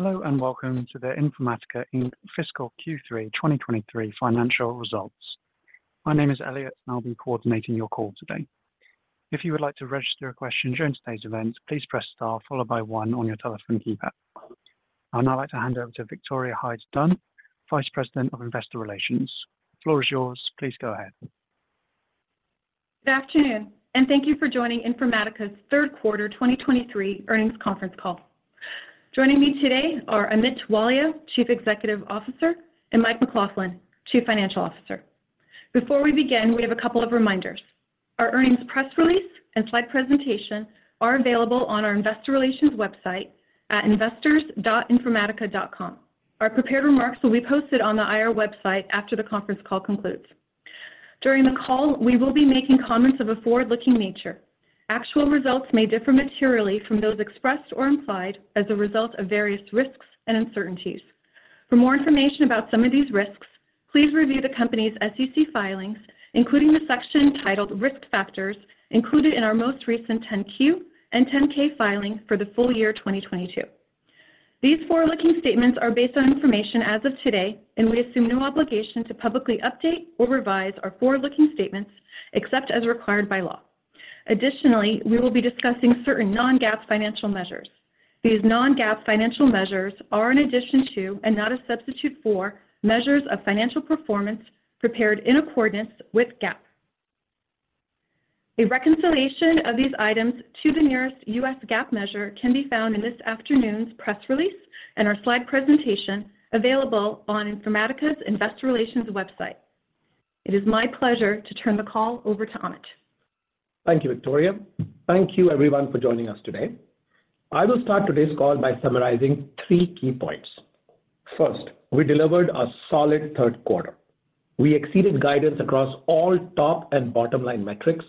Hello, and welcome to the Informatica Inc. Fiscal Q3 2023 financial results. My name is Elliot, and I'll be coordinating your call today. If you would like to register a question during today's event, please press star followed by one on your telephone keypad. I'd now like to hand over to Victoria Hyde-Dunn, Vice President of Investor Relations. The floor is yours. Please go ahead. Good afternoon, and thank you for joining Informatica's third quarter 2023 earnings conference call. Joining me today are Amit Walia, Chief Executive Officer, and Mike McLaughlin, Chief Financial Officer. Before we begin, we have a couple of reminders. Our earnings press release and slide presentation are available on our Investor Relations website at investors.informatica.com. Our prepared remarks will be posted on the IR website after the conference call concludes. During the call, we will be making comments of a forward-looking nature. Actual results may differ materially from those expressed or implied as a result of various risks and uncertainties. For more information about some of these risks, please review the company's SEC filings, including the section titled "Risk Factors," included in our most recent 10-Q and 10-K filings for the full year 2022. These forward-looking statements are based on information as of today, and we assume no obligation to publicly update or revise our forward-looking statements except as required by law. Additionally, we will be discussing certain non-GAAP financial measures. These non-GAAP financial measures are in addition to, and not a substitute for, measures of financial performance prepared in accordance with GAAP. A reconciliation of these items to the nearest U.S. GAAP measure can be found in this afternoon's press release and our slide presentation available on Informatica's Investor Relations website. It is my pleasure to turn the call over to Amit. Thank you, Victoria. Thank you everyone for joining us today. I will start today's call by summarizing three key points. First, we delivered a solid third quarter. We exceeded guidance across all top and bottom-line metrics,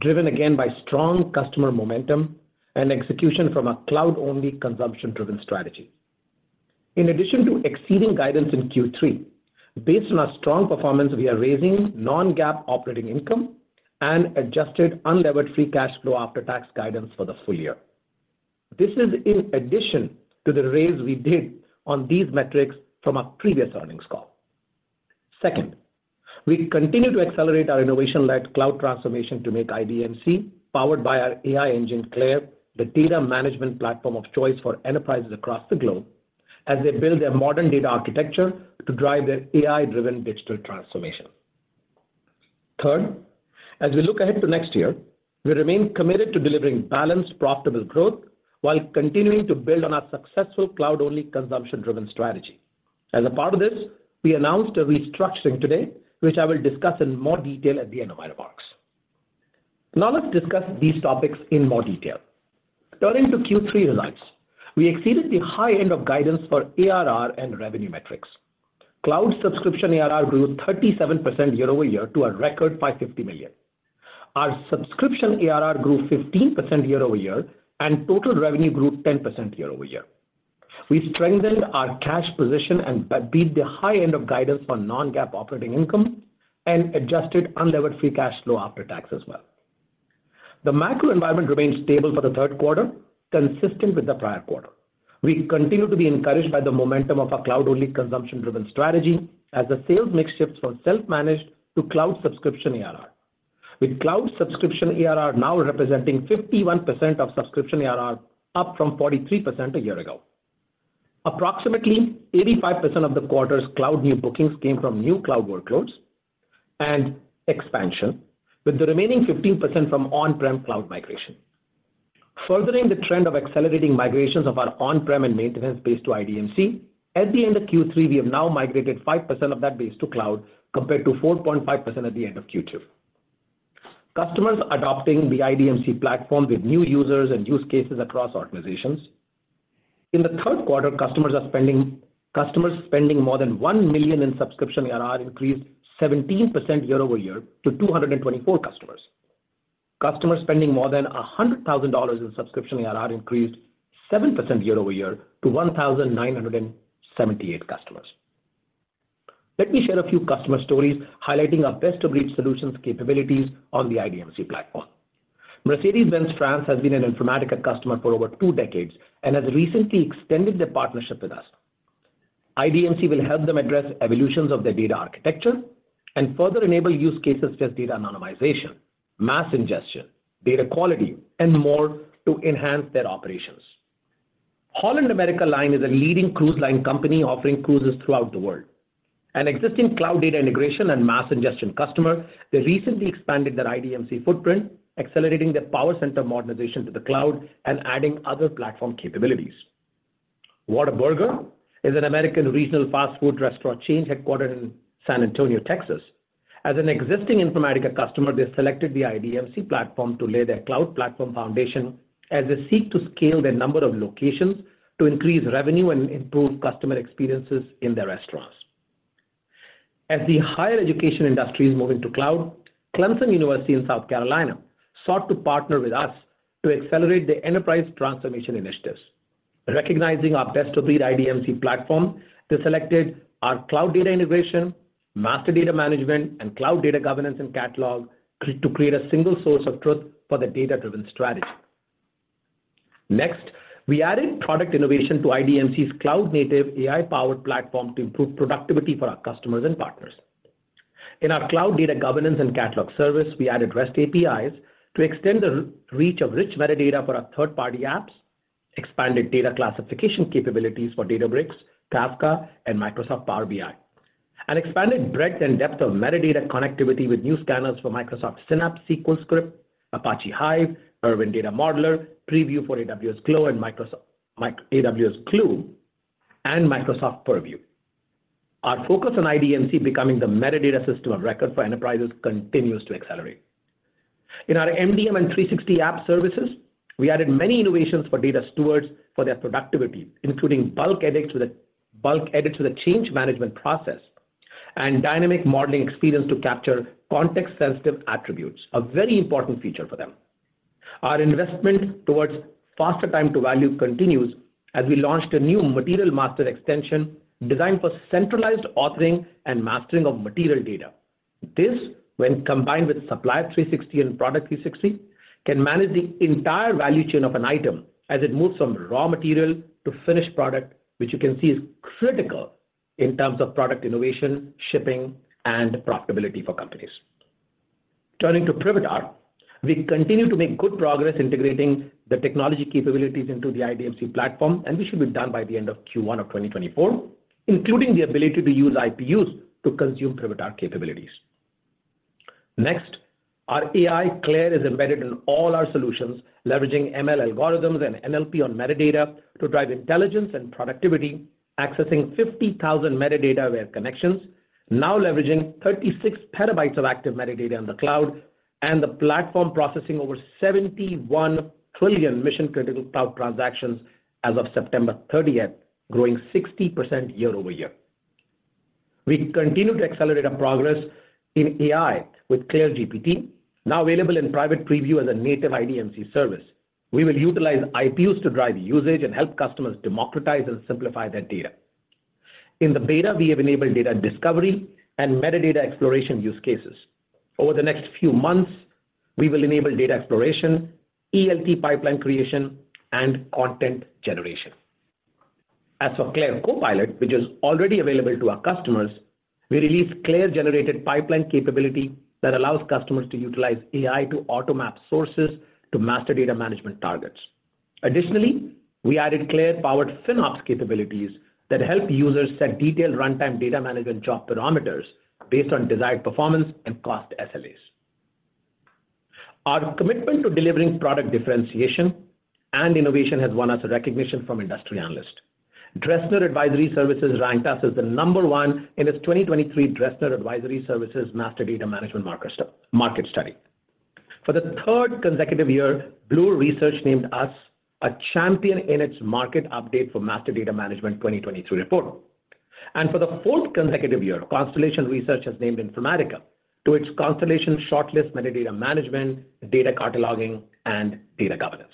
driven again by strong customer momentum and execution from a cloud-only consumption-driven strategy. In addition to exceeding guidance in Q3, based on our strong performance, we are raising non-GAAP operating income and adjusted unlevered Free Cash Flow after-tax guidance for the full year. This is in addition to the raise we did on these metrics from our previous earnings call. Second, we continue to accelerate our innovation-led cloud transformation to make IDMC, powered by our AI engine, CLAIRE, the data management platform of choice for enterprises across the globe as they build their modern data architecture to drive their AI-driven digital transformation. Third, as we look ahead to next year, we remain committed to delivering balanced, profitable growth while continuing to build on our successful cloud-only consumption-driven strategy. As a part of this, we announced a restructuring today, which I will discuss in more detail at the end of my remarks. Now, let's discuss these topics in more detail. Turning to Q3 results, we exceeded the high end of guidance for ARR and revenue metrics. Cloud subscription ARR grew 37% year-over-year to a record by $50 million. Our subscription ARR grew 15% year-over-year, and total revenue grew 10% year-over-year. We strengthened our cash position and beat the high end of guidance on non-GAAP operating income and adjusted unlevered Free Cash Flow after tax as well. The macro environment remained stable for the third quarter, consistent with the prior quarter. We continue to be encouraged by the momentum of our cloud-only consumption-driven strategy as the sales mix shifts from self-managed to cloud subscription ARR, with cloud subscription ARR now representing 51% of subscription ARR, up from 43% a year ago. Approximately 85% of the quarter's cloud new bookings came from new cloud workloads and expansion, with the remaining 15% from on-prem cloud migration. Furthering the trend of accelerating migrations of our on-prem and maintenance base to IDMC, at the end of Q3, we have now migrated 5% of that base to cloud, compared to 4.5% at the end of Q2. Customers are adopting the IDMC platform with new users and use cases across organizations. In the third quarter, customers spending more than $1 million in subscription ARR increased 17% year-over-year to 224 customers. Customers spending more than $100,000 in subscription ARR increased 7% year-over-year to 1,978 customers. Let me share a few customer stories highlighting our best-of-breed solutions capabilities on the IDMC platform. Mercedes-Benz France has been an Informatica customer for over two decades and has recently extended their partnership with us. IDMC will help them address evolutions of their data architecture and further enable use cases such as data anonymization, mass ingestion, data quality, and more to enhance their operations. Holland America Line is a leading cruise line company offering cruises throughout the world. An existing cloud data integration and mass ingestion customer, they recently expanded their IDMC footprint, accelerating their PowerCenter modernization to the cloud and adding other platform capabilities. Whataburger is an American regional fast food restaurant chain headquartered in San Antonio, Texas. As an existing Informatica customer, they selected the IDMC platform to lay their cloud platform foundation as they seek to scale their number of locations to increase revenue and improve customer experiences in their restaurants. As the higher education industry is moving to cloud, Clemson University in South Carolina sought to partner with us to accelerate their enterprise transformation initiatives. Recognizing our best-of-breed IDMC platform, they selected our cloud data integration, master data management and Cloud Data Governance and Catalog, to create a single source of truth for the data-driven strategy. Next, we added product innovation to IDMC's cloud-native, AI-powered platform to improve productivity for our customers and partners. In our Cloud Data Governance and Catalog service, we added REST APIs to extend the reach of rich metadata for our third-party apps, expanded data classification capabilities for Databricks, Kafka, and Microsoft Power BI. Expanded breadth and depth of metadata connectivity with new scanners for Microsoft Synapse, SQL Script, Apache Hive, erwin Data Modeler, preview for AWS Glue and Microsoft Purview. Our focus on IDMC becoming the metadata system of record for enterprises continues to accelerate. In our MDM and 360 app services, we added many innovations for data stewards for their productivity, including bulk edit to the change management process, and dynamic modeling experience to capture context-sensitive attributes, a very important feature for them. Our investment towards faster time to value continues as we launched a new material master extension designed for centralized authoring and mastering of material data. This, when combined with Supplier 360 and Product 360, can manage the entire value chain of an item as it moves from raw material to finished product, which you can see is critical in terms of product innovation, shipping, and profitability for companies. Turning to Privitar, we continue to make good progress integrating the technology capabilities into the IDMC platform, and we should be done by the end of Q1 of 2024, including the ability to use IPUs to consume Privitar capabilities. Next, our AI, CLAIRE, is embedded in all our solutions, leveraging ML algorithms and NLP on metadata to drive intelligence and productivity, accessing 50,000 metadata-aware connections, now leveraging 36 petabytes of active metadata in the cloud, and the platform processing over 71 trillion mission-critical cloud transactions as of September 30th, growing 60% year-over-year. We continue to accelerate our progress in AI with CLAIRE GPT, now available in private preview as a native IDMC service. We will utilize IPUs to drive usage and help customers democratize and simplify their data. In the beta, we have enabled data discovery and metadata exploration use cases. Over the next few months, we will enable data exploration, ELT pipeline creation, and content generation. As for CLAIRE CoPilot, which is already available to our customers, we released CLAIRE-generated pipeline capability that allows customers to utilize AI to auto-map sources to master data management targets. Additionally, we added CLAIRE-powered FinOps capabilities that help users set detailed runtime data management job parameters based on desired performance and cost SLAs. Our commitment to delivering product differentiation and innovation has won us recognition from industry analysts. Dresner Advisory Services ranked us as the number one in its 2023 Dresner Advisory Services Master Data Management Market Study. For the third consecutive year, Bloor Research named us a champion in its Market Update for Master Data Management 2023 report. And for the fourth consecutive year, Constellation Research has named Informatica to its Constellation ShortList for Metadata Management, Data Cataloging, and Data Governance.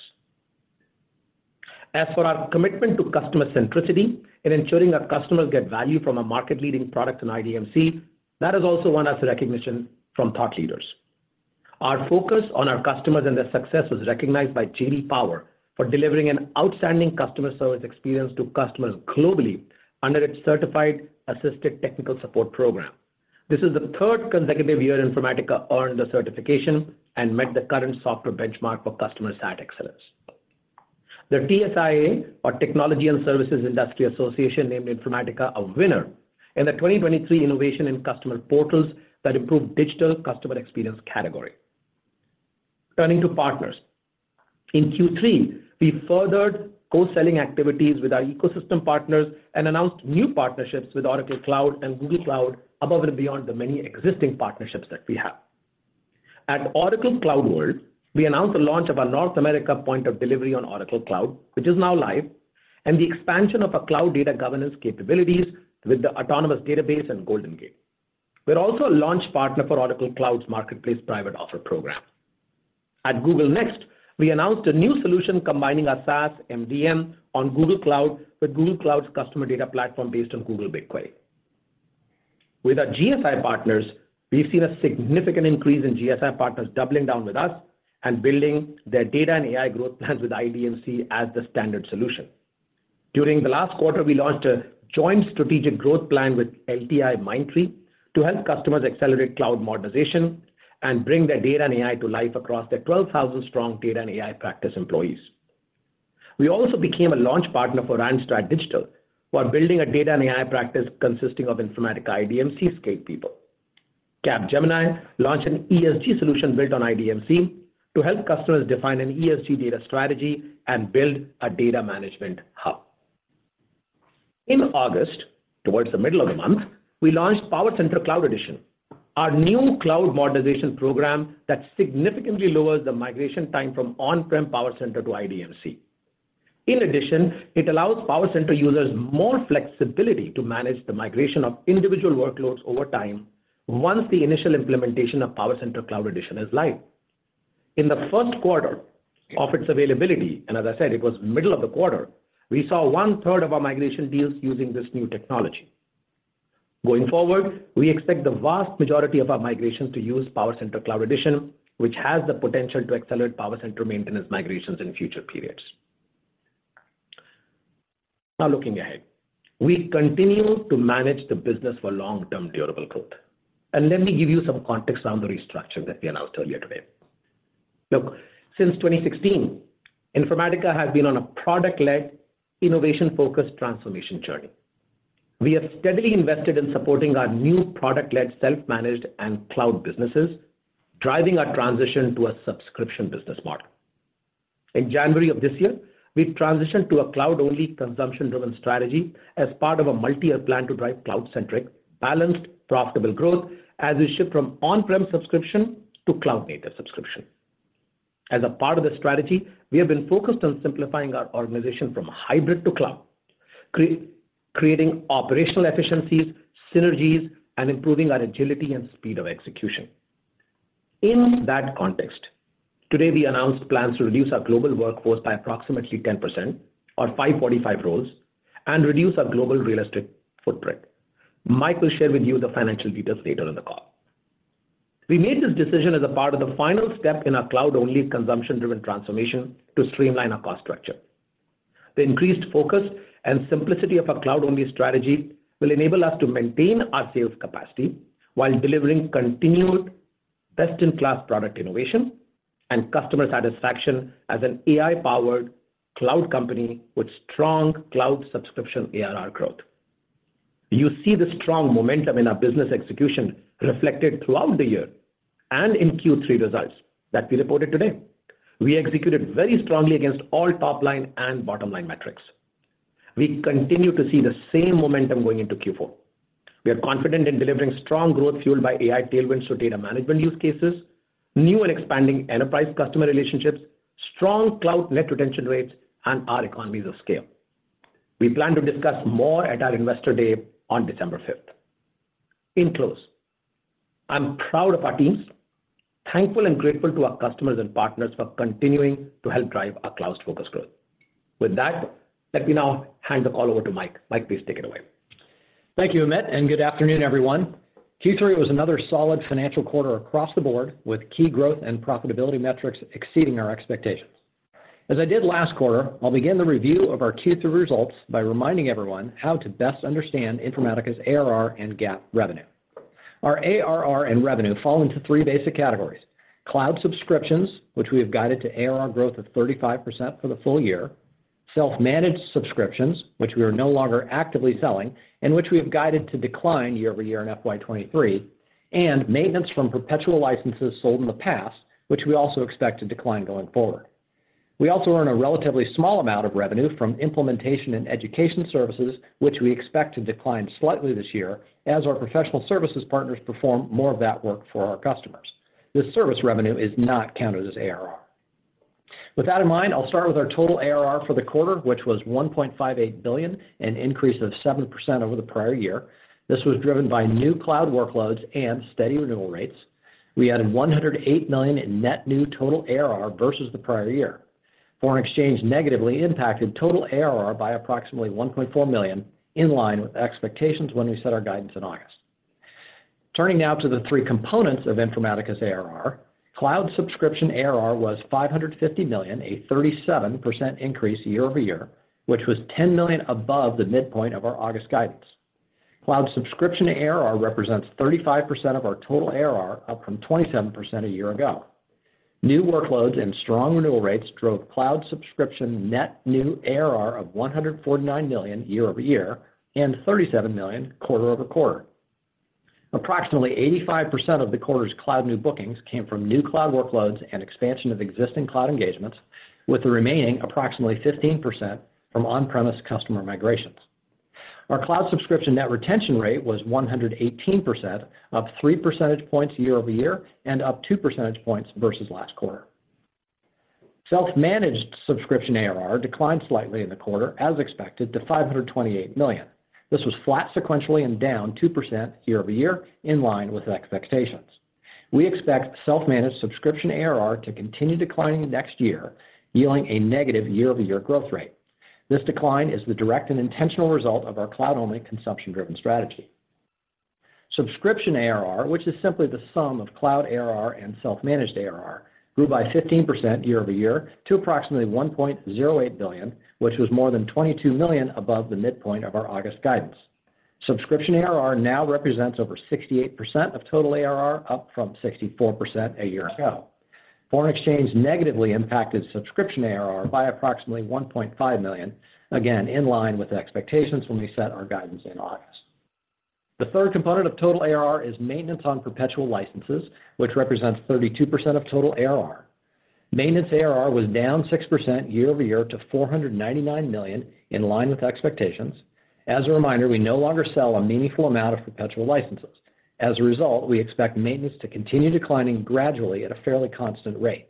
As for our commitment to customer centricity and ensuring that customers get value from a market-leading product in IDMC, that has also won us recognition from thought leaders. Our focus on our customers and their success was recognized by J.D. Power for delivering an outstanding customer service experience to customers globally under its Certified Assisted Technical Support Program. This is the third consecutive year Informatica earned the certification and met the current software benchmark for customer sat excellence. The TSIA, or Technology & Services Industry Association, named Informatica a winner in the 2023 Innovation in Customer Portals that Improve Digital Customer Experience category. Turning to partners. In Q3, we furthered co-selling activities with our ecosystem partners and announced new partnerships with Oracle Cloud and Google Cloud, above and beyond the many existing partnerships that we have. At Oracle CloudWorld, we announced the launch of our North America Point of Delivery on Oracle Cloud, which is now live, and the expansion of our cloud Data Governance capabilities with the Autonomous Database and GoldenGate. We're also a launch partner for Oracle Cloud's Marketplace Private Offer program. At Google Next, we announced a new solution combining our SaaS MDM on Google Cloud with Google Cloud's customer data platform based on Google BigQuery. With our GSI partners, we've seen a significant increase in GSI partners doubling down with us and building their data and AI growth plans with IDMC as the standard solution. During the last quarter, we launched a joint strategic growth plan with LTIMindtree to help customers accelerate cloud modernization and bring their data and AI to life across their 12,000 strong data and AI practice employees. We also became a launch partner for Randstad Digital, while building a data and AI practice consisting of Informatica IDMC-skilled people. Capgemini launched an ESG solution built on IDMC to help customers define an ESG data strategy and build a data management hub. In August, towards the middle of the month, we launched PowerCenter Cloud Edition, our new cloud modernization program that significantly lowers the migration time from on-prem PowerCenter to IDMC. In addition, it allows PowerCenter users more flexibility to manage the migration of individual workloads over time, once the initial implementation of PowerCenter Cloud Edition is live. In the first quarter of its availability, and as I said, it was middle of the quarter, we saw one-third of our migration deals using this new technology. Going forward, we expect the vast majority of our migrations to use PowerCenter Cloud Edition, which has the potential to accelerate PowerCenter maintenance migrations in future periods. Now, looking ahead, we continue to manage the business for long-term durable growth. Let me give you some context on the restructure that we announced earlier today. Look, since 2016, Informatica has been on a product-led, innovation-focused transformation journey. We have steadily invested in supporting our new product-led, self-managed and cloud businesses, driving our transition to a subscription business model. In January of this year, we transitioned to a cloud-only, consumption-driven strategy as part of a multi-year plan to drive cloud-centric, balanced, profitable growth as we shift from on-prem subscription to cloud data subscription. As a part of this strategy, we have been focused on simplifying our organization from hybrid to cloud, creating operational efficiencies, synergies, and improving our agility and speed of execution. In that context, today, we announced plans to reduce our global workforce by approximately 10% or 545 roles and reduce our global real estate footprint. Mike will share with you the financial details later in the call. We made this decision as a part of the final step in our cloud-only, consumption-driven transformation to streamline our cost structure. The increased focus and simplicity of our cloud-only strategy will enable us to maintain our sales capacity while delivering continued best-in-class product innovation and customer satisfaction as an AI-powered cloud company with strong cloud subscription ARR growth. You see the strong momentum in our business execution reflected throughout the year and in Q3 results that we reported today. We executed very strongly against all top-line and bottom-line metrics. We continue to see the same momentum going into Q4. We are confident in delivering strong growth fueled by AI tailwinds to data management use cases, new and expanding enterprise customer relationships, strong cloud net retention rates, and our economies of scale. We plan to discuss more at our Investor Day on December 5th. In close, I'm proud of our teams, thankful and grateful to our customers and partners for continuing to help drive our clouds-focused growth. With that, let me now hand the call over to Mike. Mike, please take it away. Thank you, Amit, and good afternoon, everyone. Q3 was another solid financial quarter across the board, with key growth and profitability metrics exceeding our expectations. As I did last quarter, I'll begin the review of our Q3 results by reminding everyone how to best understand Informatica's ARR and GAAP revenue. Our ARR and revenue fall into three basic categories: cloud subscriptions, which we have guided to ARR growth of 35% for the full year; self-managed subscriptions, which we are no longer actively selling and which we have guided to decline year-over-year in FY 2023; and maintenance from perpetual licenses sold in the past, which we also expect to decline going forward. We also earn a relatively small amount of revenue from implementation and education services, which we expect to decline slightly this year as our professional services partners perform more of that work for our customers. This service revenue is not counted as ARR. With that in mind, I'll start with our total ARR for the quarter, which was $1.58 billion, an increase of 7% over the prior year. This was driven by new cloud workloads and steady renewal rates. We added $108 million in net new total ARR versus the prior year. Foreign exchange negatively impacted total ARR by approximately $1.4 million, in line with expectations when we set our guidance in August. Turning now to the three components of Informatica's ARR, cloud subscription ARR was $550 million, a 37% increase year-over-year, which was $10 million above the midpoint of our August guidance. Cloud subscription ARR represents 35% of our total ARR, up from 27% a year ago. New workloads and strong renewal rates drove cloud subscription net new ARR of $149 million year-over-year, and $37 million quarter-over-quarter. Approximately 85% of the quarter's cloud new bookings came from new cloud workloads and expansion of existing cloud engagements, with the remaining approximately 15% from on-premise customer migrations. Our cloud subscription net retention rate was 118%, up 3 percentage points year-over-year, and up 2 percentage points versus last quarter. Self-managed subscription ARR declined slightly in the quarter, as expected, to $528 million. This was flat sequentially and down 2% year-over-year, in line with expectations. We expect self-managed subscription ARR to continue declining next year, yielding a negative year-over-year growth rate. This decline is the direct and intentional result of our cloud-only, consumption-driven strategy. Subscription ARR, which is simply the sum of cloud ARR and self-managed ARR, grew by 15% year-over-year to approximately $1.08 billion, which was more than $22 million above the midpoint of our August guidance. Subscription ARR now represents over 68% of total ARR, up from 64% a year ago. Foreign exchange negatively impacted subscription ARR by approximately $1.5 million, again, in line with expectations when we set our guidance in August. The third component of total ARR is maintenance on perpetual licenses, which represents 32% of total ARR. Maintenance ARR was down 6% year-over-year to $499 million, in line with expectations. As a reminder, we no longer sell a meaningful amount of perpetual licenses. As a result, we expect maintenance to continue declining gradually at a fairly constant rate.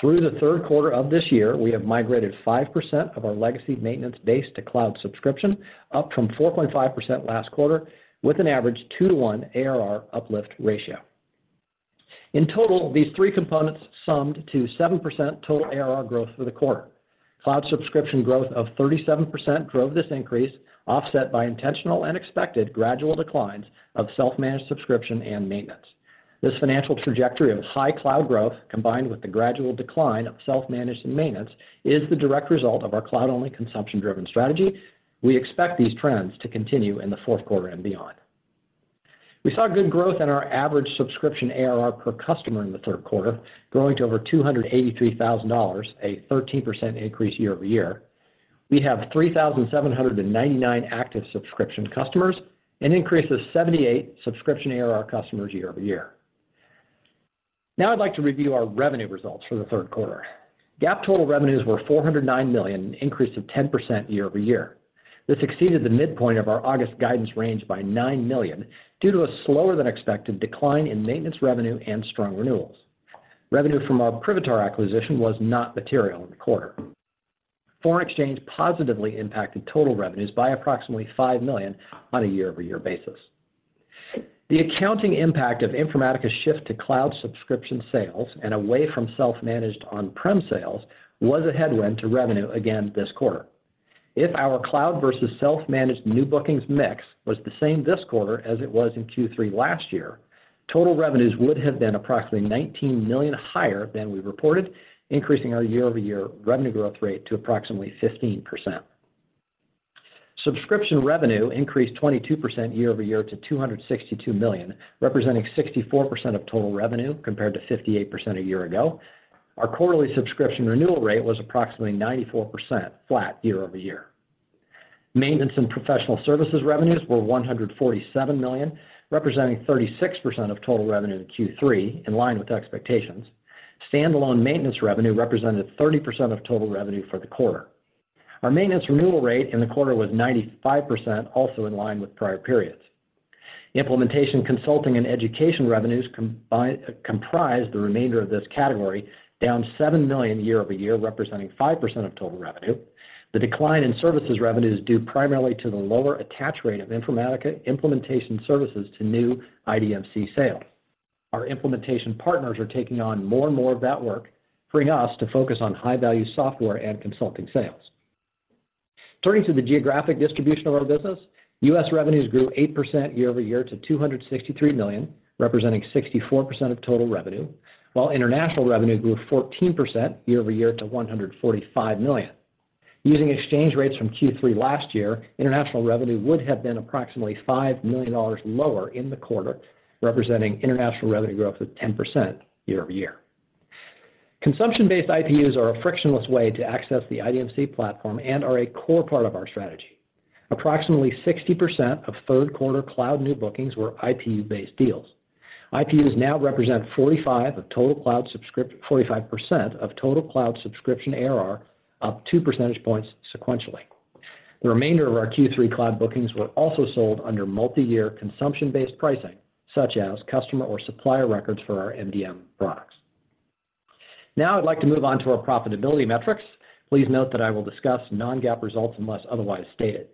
Through the third quarter of this year, we have migrated 5% of our legacy maintenance base to cloud subscription, up from 4.5% last quarter, with an average 2:1 ARR uplift ratio. In total, these three components summed to 7% total ARR growth for the quarter. Cloud subscription growth of 37% drove this increase, offset by intentional and expected gradual declines of self-managed subscription and maintenance. This financial trajectory of high cloud growth, combined with the gradual decline of self-managed and maintenance, is the direct result of our cloud-only consumption-driven strategy. We expect these trends to continue in the fourth quarter and beyond. We saw good growth in our average subscription ARR per customer in the third quarter, growing to over $283,000, a 13% increase year-over-year. We have 3,799 active subscription customers, an increase of 78 subscription ARR customers year-over-year. Now I'd like to review our revenue results for the third quarter. GAAP total revenues were $409 million, an increase of 10% year-over-year. This exceeded the midpoint of our August guidance range by $9 million, due to a slower than expected decline in maintenance revenue and strong renewals. Revenue from our Privitar acquisition was not material in the quarter. Foreign exchange positively impacted total revenues by approximately $5 million on a year-over-year basis. The accounting impact of Informatica's shift to cloud subscription sales and away from self-managed on-prem sales was a headwind to revenue again this quarter. If our cloud versus self-managed new bookings mix was the same this quarter as it was in Q3 last year, total revenues would have been approximately $19 million higher than we reported, increasing our year-over-year revenue growth rate to approximately 15%. Subscription revenue increased 22% year-over-year to $262 million, representing 64% of total revenue, compared to 58% a year ago. Our quarterly subscription renewal rate was approximately 94%, flat year-over-year. Maintenance and professional services revenues were $147 million, representing 36% of total revenue in Q3, in line with expectations. Standalone maintenance revenue represented 30% of total revenue for the quarter. Our maintenance renewal rate in the quarter was 95%, also in line with prior periods. Implementation, consulting, and education revenues combined, comprise the remainder of this category, down $7 million year-over-year, representing 5% of total revenue. The decline in services revenue is due primarily to the lower attach rate of Informatica implementation services to new IDMC sales. Our implementation partners are taking on more and more of that work, freeing us to focus on high-value software and consulting sales. Turning to the geographic distribution of our business, U.S. revenues grew 8% year-over-year to $263 million, representing 64% of total revenue, while international revenue grew 14% year-over-year to $145 million. Using exchange rates from Q3 last year, international revenue would have been approximately $5 million lower in the quarter, representing international revenue growth of 10% year-over-year. Consumption-based IPUs are a frictionless way to access the IDMC platform and are a core part of our strategy. Approximately 60% of third quarter cloud new bookings were IPU-based deals. IPUs now represent 45% of total cloud subscription ARR, up two percentage points sequentially. The remainder of our Q3 cloud bookings were also sold under multi-year consumption-based pricing, such as customer or supplier records for our MDM products. Now I'd like to move on to our profitability metrics. Please note that I will discuss non-GAAP results unless otherwise stated.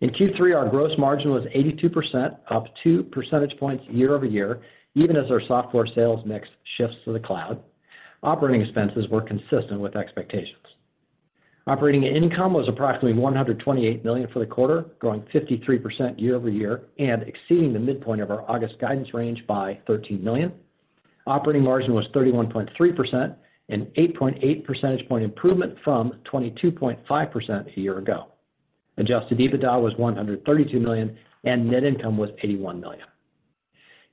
In Q3, our gross margin was 82%, up 2 percentage points year-over-year, even as our software sales mix shifts to the cloud. Operating expenses were consistent with expectations. Operating income was approximately $128 million for the quarter, growing 53% year-over-year and exceeding the midpoint of our August guidance range by $13 million. Operating margin was 31.3% and 8.8 percentage point improvement from 22.5% a year ago. Adjusted EBITDA was $132 million, and net income was $81 million.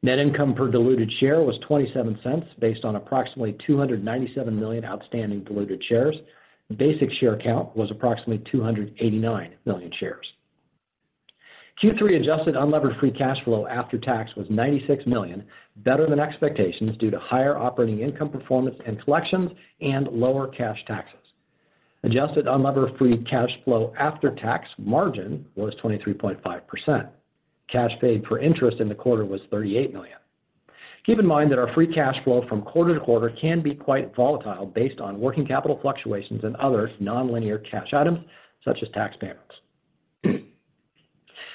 Net income per diluted share was $0.27, based on approximately 297 million outstanding diluted shares. Basic share count was approximately 289 million shares. Q3 adjusted unlevered Free Cash Flow after tax was $96 million, better than expectations, due to higher operating income performance and collections and lower cash taxes. Adjusted unlevered Free Cash Flow after tax margin was 23.5%. Cash paid for interest in the quarter was $38 million. Keep in mind that our Free Cash Flow from quarter-to-quarter can be quite volatile based on working capital fluctuations and other nonlinear cash items, such as tax payments.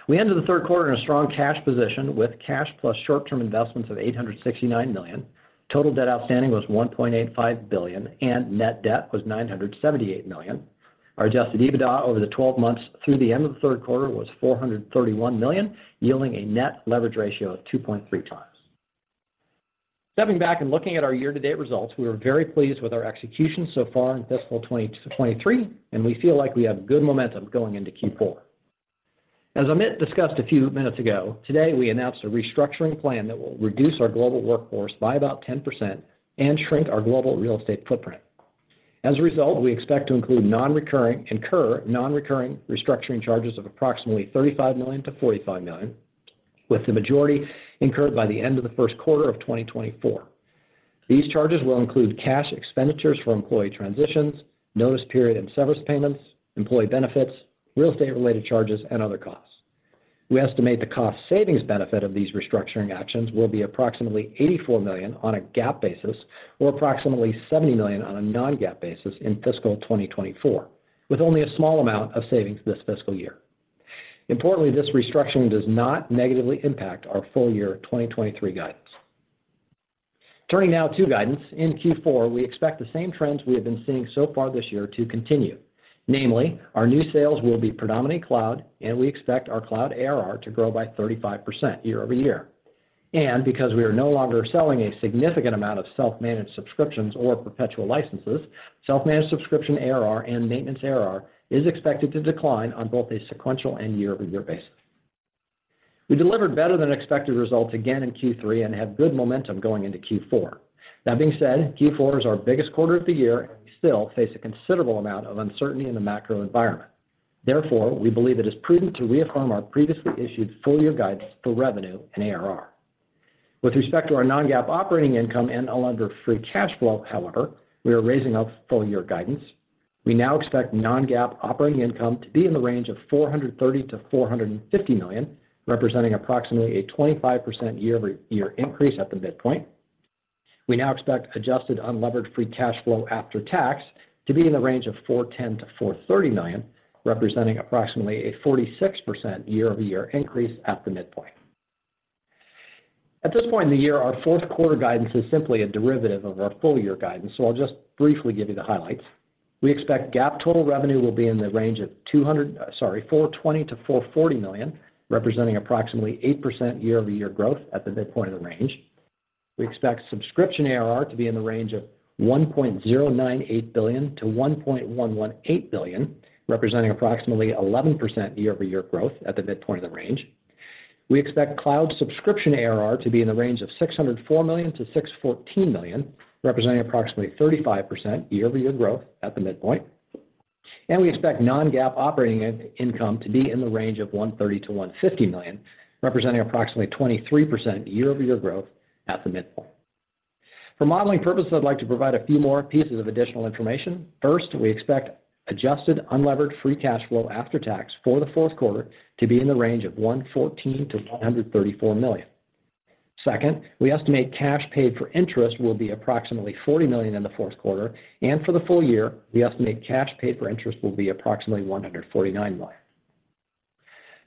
We ended the third quarter in a strong cash position with cash plus short-term investments of $869 million. Total debt outstanding was $1.85 billion, and net debt was $978 million. Our adjusted EBITDA over the 12 months through the end of the third quarter was $431 million, yielding a net leverage ratio of 2.3x. Stepping back and looking at our year-to-date results, we are very pleased with our execution so far in fiscal 2023, and we feel like we have good momentum going into Q4. As Amit discussed a few minutes ago, today, we announced a restructuring plan that will reduce our global workforce by about 10% and shrink our global real estate footprint. As a result, we expect to incur non-recurring restructuring charges of approximately $35 million-$45 million, with the majority incurred by the end of the first quarter of 2024. These charges will include cash expenditures for employee transitions, notice period and severance payments, employee benefits, real estate-related charges, and other costs. We estimate the cost savings benefit of these restructuring actions will be approximately $84 million on a GAAP basis, or approximately $70 million on a non-GAAP basis in fiscal 2024, with only a small amount of savings this fiscal year. Importantly, this restructuring does not negatively impact our full year 2023 guidance. Turning now to guidance. In Q4, we expect the same trends we have been seeing so far this year to continue. Namely, our new sales will be predominantly cloud, and we expect our cloud ARR to grow by 35% year-over-year. And because we are no longer selling a significant amount of self-managed subscriptions or perpetual licenses, self-managed subscription ARR and maintenance ARR is expected to decline on both a sequential and year-over-year basis. We delivered better than expected results again in Q3 and have good momentum going into Q4. That being said, Q4 is our biggest quarter of the year, and we still face a considerable amount of uncertainty in the macro environment. Therefore, we believe it is prudent to reaffirm our previously issued full year guidance for revenue and ARR. With respect to our non-GAAP operating income and unlevered Free Cash Flow, however, we are raising our full year guidance. We now expect non-GAAP operating income to be in the range of $430 million-$450 million, representing approximately a 25% year-over-year increase at the midpoint. We now expect adjusted unlevered Free Cash Flow after tax to be in the range of $410 million-$430 million, representing approximately a 46% year-over-year increase at the midpoint. At this point in the year, our fourth quarter guidance is simply a derivative of our full year guidance, so I'll just briefly give you the highlights. We expect GAAP total revenue will be in the range of sorry, $420 million-$440 million, representing approximately 8% year-over-year growth at the midpoint of the range. We expect subscription ARR to be in the range of $1.098 billion-$1.118 billion, representing approximately 11% year-over-year growth at the midpoint of the range. We expect cloud subscription ARR to be in the range of $604 million-$614 million, representing approximately 35% year-over-year growth at the midpoint. And we expect non-GAAP operating income to be in the range of $130 million-$150 million, representing approximately 23% year-over-year growth at the midpoint. For modeling purposes, I'd like to provide a few more pieces of additional information. First, we expect adjusted unlevered Free Cash Flow after tax for the fourth quarter to be in the range of $114 million-$134 million. Second, we estimate cash paid for interest will be approximately $40 million in the fourth quarter, and for the full year, we estimate cash paid for interest will be approximately $149 million.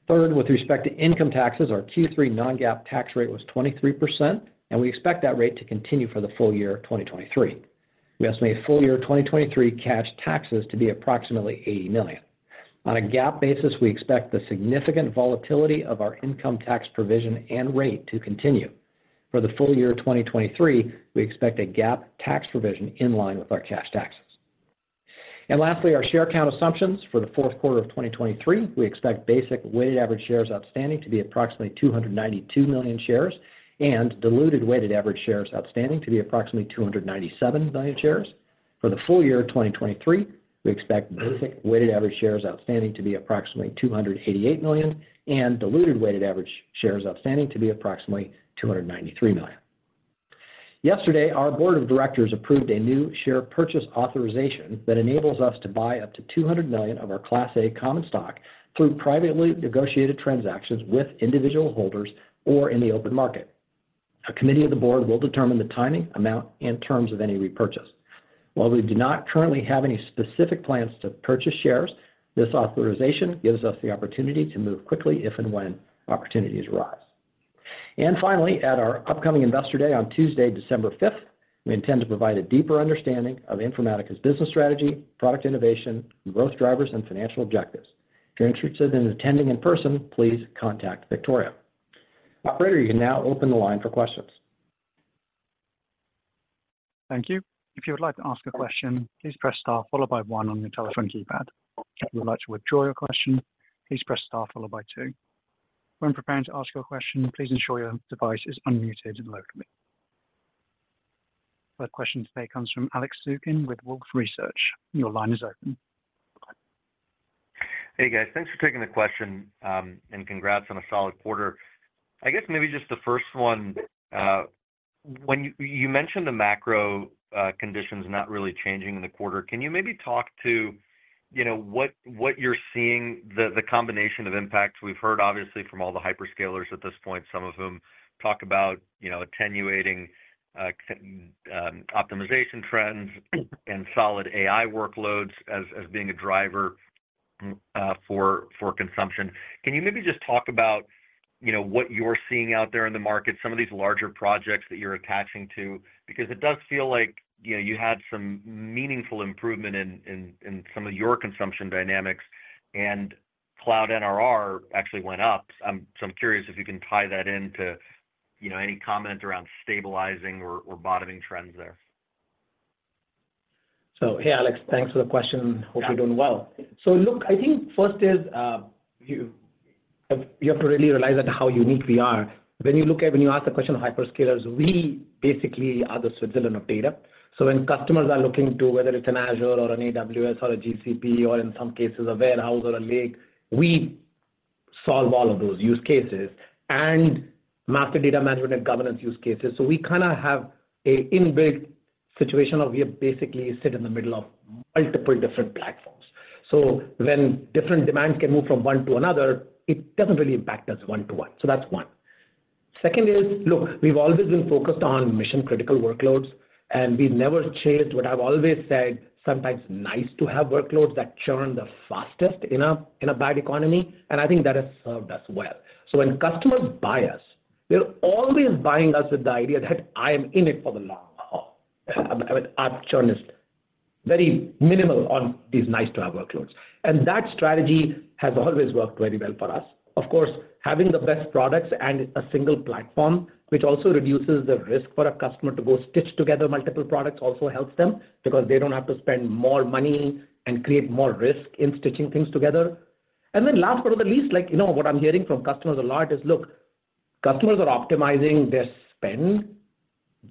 Third, with respect to income taxes, our Q3 non-GAAP tax rate was 23%, and we expect that rate to continue for the full year of 2023. We estimate full year 2023 cash taxes to be approximately $80 million. On a GAAP basis, we expect the significant volatility of our income tax provision and rate to continue. For the full year of 2023, we expect a GAAP tax provision in line with our cash taxes. And lastly, our share count assumptions. For the fourth quarter of 2023, we expect basic weighted average shares outstanding to be approximately 292 million shares, and diluted weighted average shares outstanding to be approximately 297 million shares. For the full year of 2023, we expect basic weighted average shares outstanding to be approximately 288 million, and diluted weighted average shares outstanding to be approximately 293 million. Yesterday, our board of directors approved a new share purchase authorization that enables us to buy up to 200 million of our Class A common stock through privately negotiated transactions with individual holders or in the open market. A committee of the board will determine the timing, amount, and terms of any repurchase. While we do not currently have any specific plans to purchase shares, this authorization gives us the opportunity to move quickly if and when opportunities arise. Finally, at our upcoming Investor Day on Tuesday, December fifth, we intend to provide a deeper understanding of Informatica's business strategy, product innovation, growth drivers, and financial objectives. If you're interested in attending in person, please contact Victoria. Operator, you can now open the line for questions. Thank you. If you would like to ask a question, please press star followed by one on your telephone keypad. If you would like to withdraw your question, please press star followed by two. When preparing to ask your question, please ensure your device is unmuted and local. First question today comes from Alex Zukin with Wolfe Research. Your line is open. Hey, guys. Thanks for taking the question, and congrats on a solid quarter. I guess maybe just the first one, when you mentioned the macro conditions not really changing in the quarter, can you maybe talk to, you know, what you're seeing, the combination of impacts? We've heard, obviously, from all the hyperscalers at this point, some of whom talk about, you know, attenuating consumption optimization trends and solid AI workloads as being a driver for consumption. Can you maybe just talk about, you know, what you're seeing out there in the market, some of these larger projects that you're attaching to? Because it does feel like, you know, you had some meaningful improvement in some of your consumption dynamics, and cloud NRR actually went up. I'm curious if you can tie that in to, you know, any comment around stabilizing or bottoming trends there? Hey, Alex, thanks for the question. Hope you're doing well. So look, I think first is, you have to really realize that how unique we are. When you ask the question of hyperscalers, we basically are the Switzerland of data. So when customers are looking to whether it's an Azure or an AWS or a GCP, or in some cases a warehouse or a lake, we solve all of those use cases and Master Data Management and Governance use cases. So we kinda have a inbuilt situation of we have basically sit in the middle of multiple different platforms. So when different demands can move from one to another, it doesn't really impact us one to one. So that's one. Second is, look, we've always been focused on mission-critical workloads, and we've never changed. What I've always said, sometimes nice to have workloads that churn the fastest in a bad economy, and I think that has served us well. So when customers buy us, they're always buying us with the idea that I am in it for the long haul. Our churn is very minimal on these nice to have workloads, and that strategy has always worked very well for us. Of course, having the best products and a single platform, which also reduces the risk for a customer to go stitch together multiple products, also helps them because they don't have to spend more money and create more risk in stitching things together. And then last but not least, like, you know, what I'm hearing from customers a lot is, look, customers are optimizing their spend.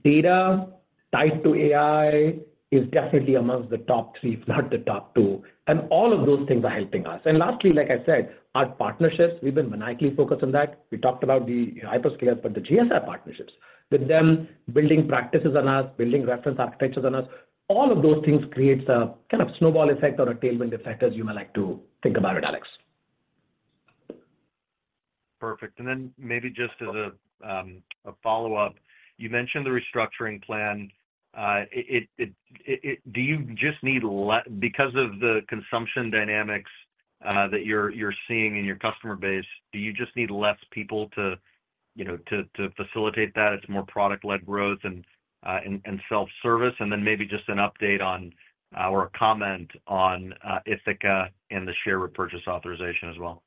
Data tied to AI is definitely amongst the top three, if not the top two, and all of those things are helping us. Lastly, like I said, our partnerships, we've been maniacally focused on that. We talked about the hyperscalers, but the GSI partnerships, with them building practices on us, building reference architectures on us, all of those things creates a kind of snowball effect or a tailwind effect, as you might like to think about it, Alex. Perfect. And then maybe just as a follow-up, you mentioned the restructuring plan. Do you just need less because of the consumption dynamics that you're seeing in your customer base, do you just need less people to, you know, facilitate that? It's more product-led growth and self-service, and then maybe just an update on, or a comment on, Ithaca and the share repurchase authorization as well.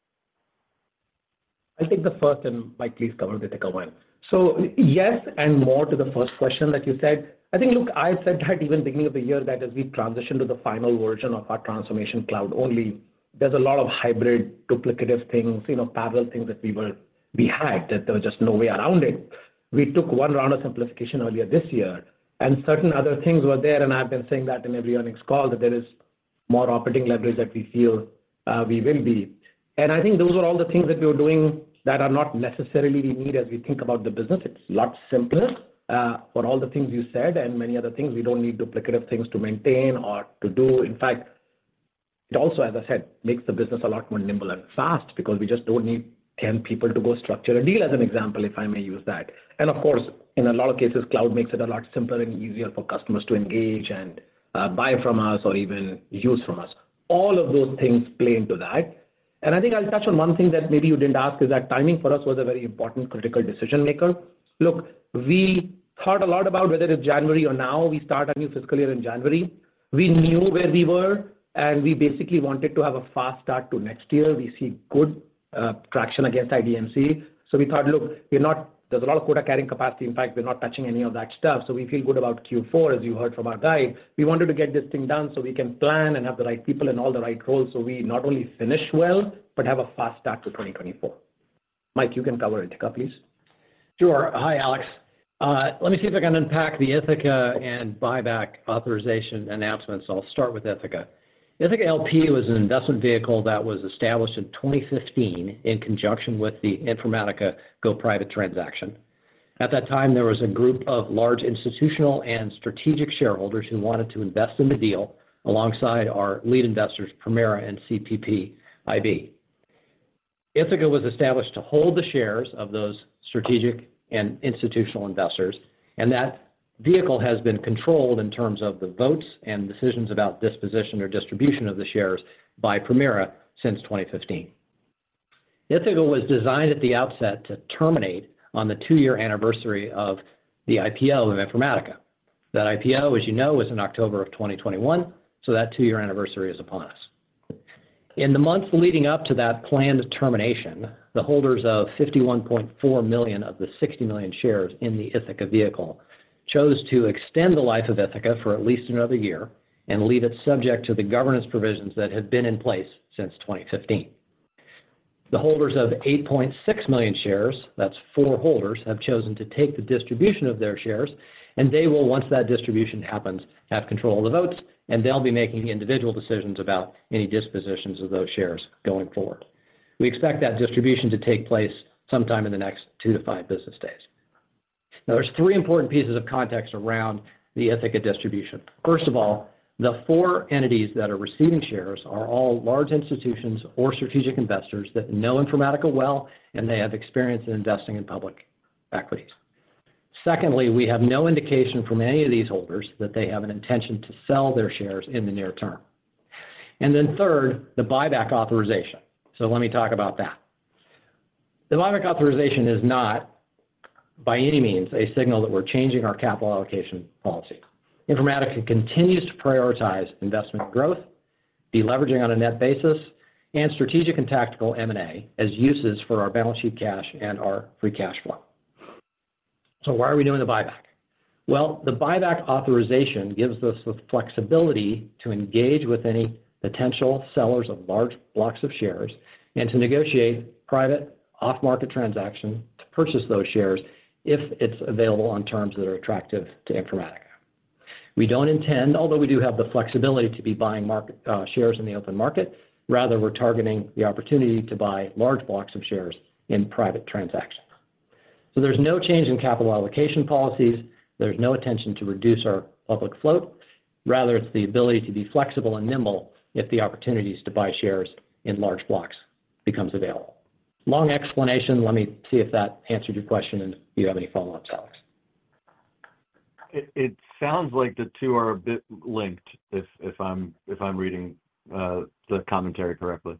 I'll take the first, and Mike, please cover the Ithaca one. So yes, and more to the first question that you said. I think, look, I said that even beginning of the year, that as we transition to the final version of our transformation cloud only, there's a lot of hybrid, duplicative things, you know, parallel things that we will-- we had, that there was just no way around it. We took one round of simplification earlier this year, and certain other things were there, and I've been saying that in every earnings call, that there is more operating leverage that we feel, we will be. And I think those are all the things that we are doing that are not necessarily we need as we think about the business. It's a lot simpler for all the things you said and many other things. We don't need duplicative things to maintain or to do. In fact, it also, as I said, makes the business a lot more nimble and fast because we just don't need 10 people to go structure a deal, as an example, if I may use that. And of course, in a lot of cases, cloud makes it a lot simpler and easier for customers to engage and buy from us or even use from us. All of those things play into that. And I think I'll touch on one thing that maybe you didn't ask, is that timing for us was a very important critical decision maker. Look, we thought a lot about whether it's January or now. We start our new fiscal year in January. We knew where we were, and we basically wanted to have a fast start to next year. We see good traction against IDMC. So we thought, "Look, we're not, there's a lot of quota carrying capacity. In fact, we're not touching any of that stuff." So we feel good about Q4, as you heard from our guide. We wanted to get this thing done so we can plan and have the right people in all the right roles, so we not only finish well, but have a fast start to 2024. Mike, you can cover Ithaca, please. Sure. Hi, Alex. Let me see if I can unpack the Ithaca and buyback authorization announcements. I'll start with Ithaca. Ithaca L.P. was an investment vehicle that was established in 2015 in conjunction with the Informatica go-private transaction. At that time, there was a group of large institutional and strategic shareholders who wanted to invest in the deal alongside our lead investors, Permira and CPPIB. Ithaca was established to hold the shares of those strategic and institutional investors, and that vehicle has been controlled in terms of the votes and decisions about disposition or distribution of the shares by Permira since 2015. Ithaca was designed at the outset to terminate on the two-year anniversary of the IPO of Informatica. That IPO, as you know, was in October of 2021, so that two-year anniversary is upon us. In the months leading up to that planned termination, the holders of 51.4 million of the 60 million shares in the Ithaca vehicle chose to extend the life of Ithaca for at least another year and leave it subject to the governance provisions that have been in place since 2015. The holders of 8.6 million shares, that's four holders, have chosen to take the distribution of their shares, and they will, once that distribution happens, have control of the votes, and they'll be making the individual decisions about any dispositions of those shares going forward. We expect that distribution to take place sometime in the next two, five business days. Now, there's three important pieces of context around the Ithaca distribution. First of all, the four entities that are receiving shares are all large institutions or strategic investors that know Informatica well, and they have experience in investing in public equities. Secondly, we have no indication from any of these holders that they have an intention to sell their shares in the near term. And then third, the buyback authorization. So let me talk about that. The buyback authorization is not, by any means, a signal that we're changing our capital allocation policy. Informatica continues to prioritize investment growth, deleveraging on a net basis, and strategic and tactical M&A as uses for our balance sheet cash and our Free Cash Flow. So why are we doing the buyback? Well, the buyback authorization gives us the flexibility to engage with any potential sellers of large blocks of shares and to negotiate private off-market transaction to purchase those shares if it's available on terms that are attractive to Informatica. We don't intend, although we do have the flexibility to be buying market shares in the open market, rather, we're targeting the opportunity to buy large blocks of shares in private transactions. So there's no change in capital allocation policies, there's no intention to reduce our public float. Rather, it's the ability to be flexible and nimble if the opportunities to buy shares in large blocks becomes available. Long explanation, let me see if that answered your question, and if you have any follow-ups, Alex. It sounds like the two are a bit linked, if I'm reading the commentary correctly.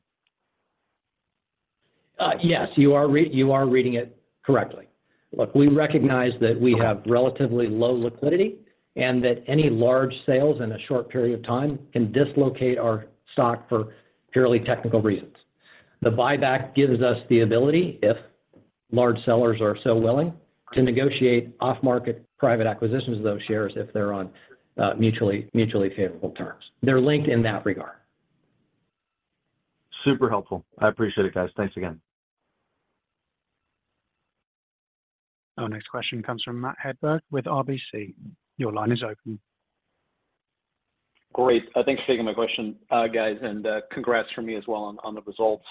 Yes, you are reading it correctly. Look, we recognize that we have relatively low liquidity, and that any large sales in a short period of time can dislocate our stock for purely technical reasons. The buyback gives us the ability, if large sellers are so willing, to negotiate off-market private acquisitions of those shares if they're on mutually favorable terms. They're linked in that regard. Super helpful. I appreciate it, guys. Thanks again. Our next question comes from Matt Hedberg with RBC. Your line is open. Great. Thanks for taking my question, guys, and, congrats from me as well on, on the results.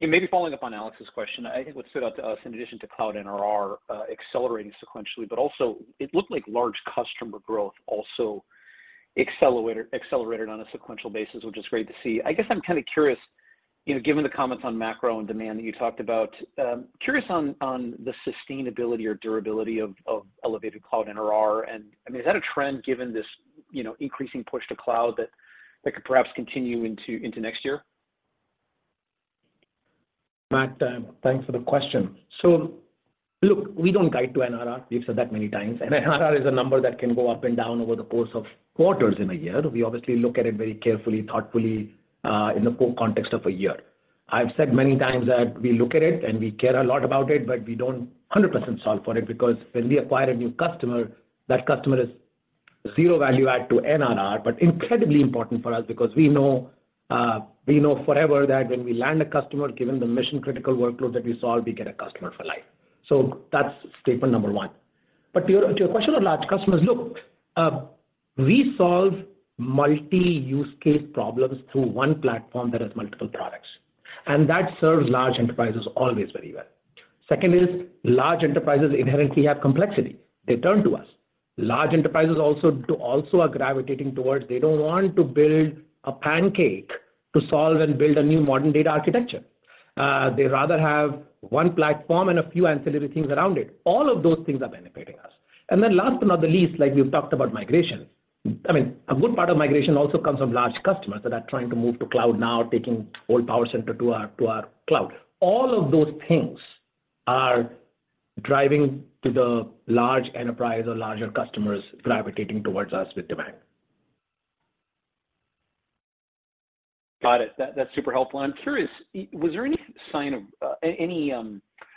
And maybe following up on Alex's question, I think what stood out to us, in addition to Cloud NRR, accelerating sequentially, but also it looked like large customer growth also accelerated on a sequential basis, which is great to see. I guess I'm kind of curious, you know, given the comments on macro and demand that you talked about, curious on, on the sustainability or durability of, of elevated Cloud NRR, and, I mean, is that a trend given this, you know, increasing push to cloud that, that could perhaps continue into, into next year? Matt, thanks for the question. So look, we don't guide to NRR. We've said that many times, and NRR is a number that can go up and down over the course of quarters in a year. We obviously look at it very carefully, thoughtfully, in the full context of a year. I've said many times that we look at it, and we care a lot about it, but we don't 100% solve for it, because when we acquire a new customer, that customer is zero value add to NRR, but incredibly important for us because we know, we know forever that when we land a customer, given the mission-critical workload that we solve, we get a customer for life. So that's statement number one. But to your question on large customers, look, we solve multi-use case problems through one platform that has multiple products, and that serves large enterprises always very well. Second is, large enterprises inherently have complexity. They turn to us. Large enterprises also are gravitating towards... They don't want to build a pancake to solve and build a new modern data architecture. They rather have one platform and a few ancillary things around it. All of those things are benefiting us. And then last but not the least, like we've talked about migration. I mean, a good part of migration also comes from large customers that are trying to move to cloud now, taking old PowerCenter to our cloud. All of those things are driving to the large enterprise or larger customers gravitating towards us with demand. Got it. That, that's super helpful. I'm curious, was there any sign of any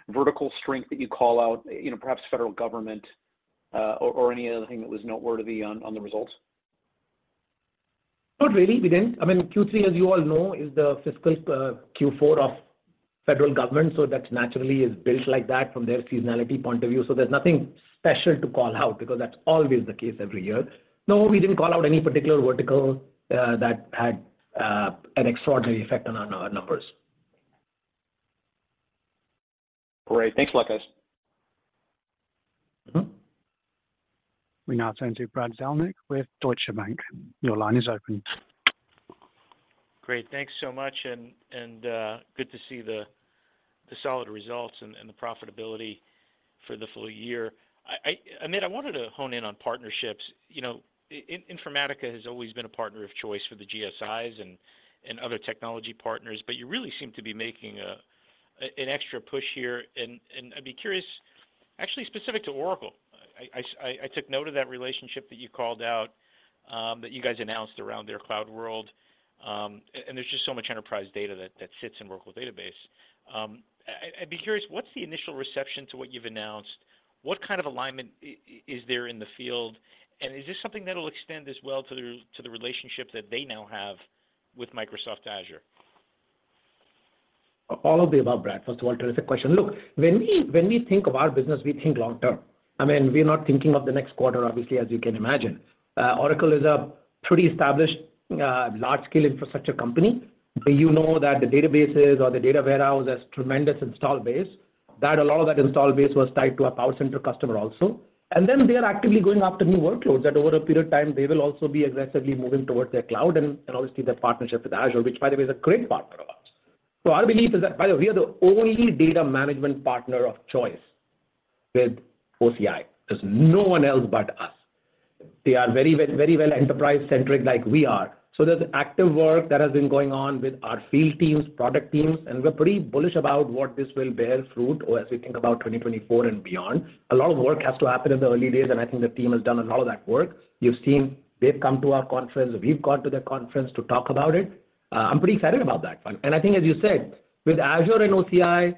vertical strength that you call out, you know, perhaps federal government, or any other thing that was noteworthy on the results? Not really, we didn't. I mean, Q3, as you all know, is the fiscal Q4 of federal government, so that naturally is built like that from their seasonality point of view. So there's nothing special to call out, because that's always the case every year. No, we didn't call out any particular vertical that had an extraordinary effect on our numbers. Great. Thanks for luck, guys. Uh-huh. We now turn to Brad Zelnick with Deutsche Bank. Your line is open. Great. Thanks so much, and, and, good to see the, the solid results and, and the profitability for the full year. I, Amit, I wanted to hone in on partnerships. You know, Informatica has always been a partner of choice for the GSIs and, and other technology partners, but you really seem to be making an extra push here. And I'd be curious, actually, specific to Oracle. I took note of that relationship that you called out, that you guys announced around their CloudWorld, and there's just so much enterprise data that sits in Oracle database. I'd be curious, what's the initial reception to what you've announced? What kind of alignment is there in the field, and is this something that'll extend as well to the relationship that they now have with Microsoft Azure? All of the above, Brad. First of all, terrific question. Look, when we think of our business, we think long term. I mean, we're not thinking of the next quarter, obviously, as you can imagine. Oracle is a pretty established, large-scale infrastructure company. You know that the databases or the data warehouse has tremendous install base, that a lot of that install base was tied to a PowerCenter customer also. And then they are actively going after new workloads that, over a period of time, they will also be aggressively moving towards their cloud and, obviously, their partnership with Azure, which, by the way, is a great partner of ours. So our belief is that, by the way, we are the only data management partner of choice with OCI. There's no one else but us. They are very well, very well enterprise-centric like we are. So there's active work that has been going on with our field teams, product teams, and we're pretty bullish about what this will bear fruit or as we think about 2024 and beyond. A lot of work has to happen in the early days, and I think the team has done a lot of that work. You've seen they've come to our conference, we've gone to their conference to talk about it. I'm pretty excited about that one. And I think, as you said, with Azure and OCI,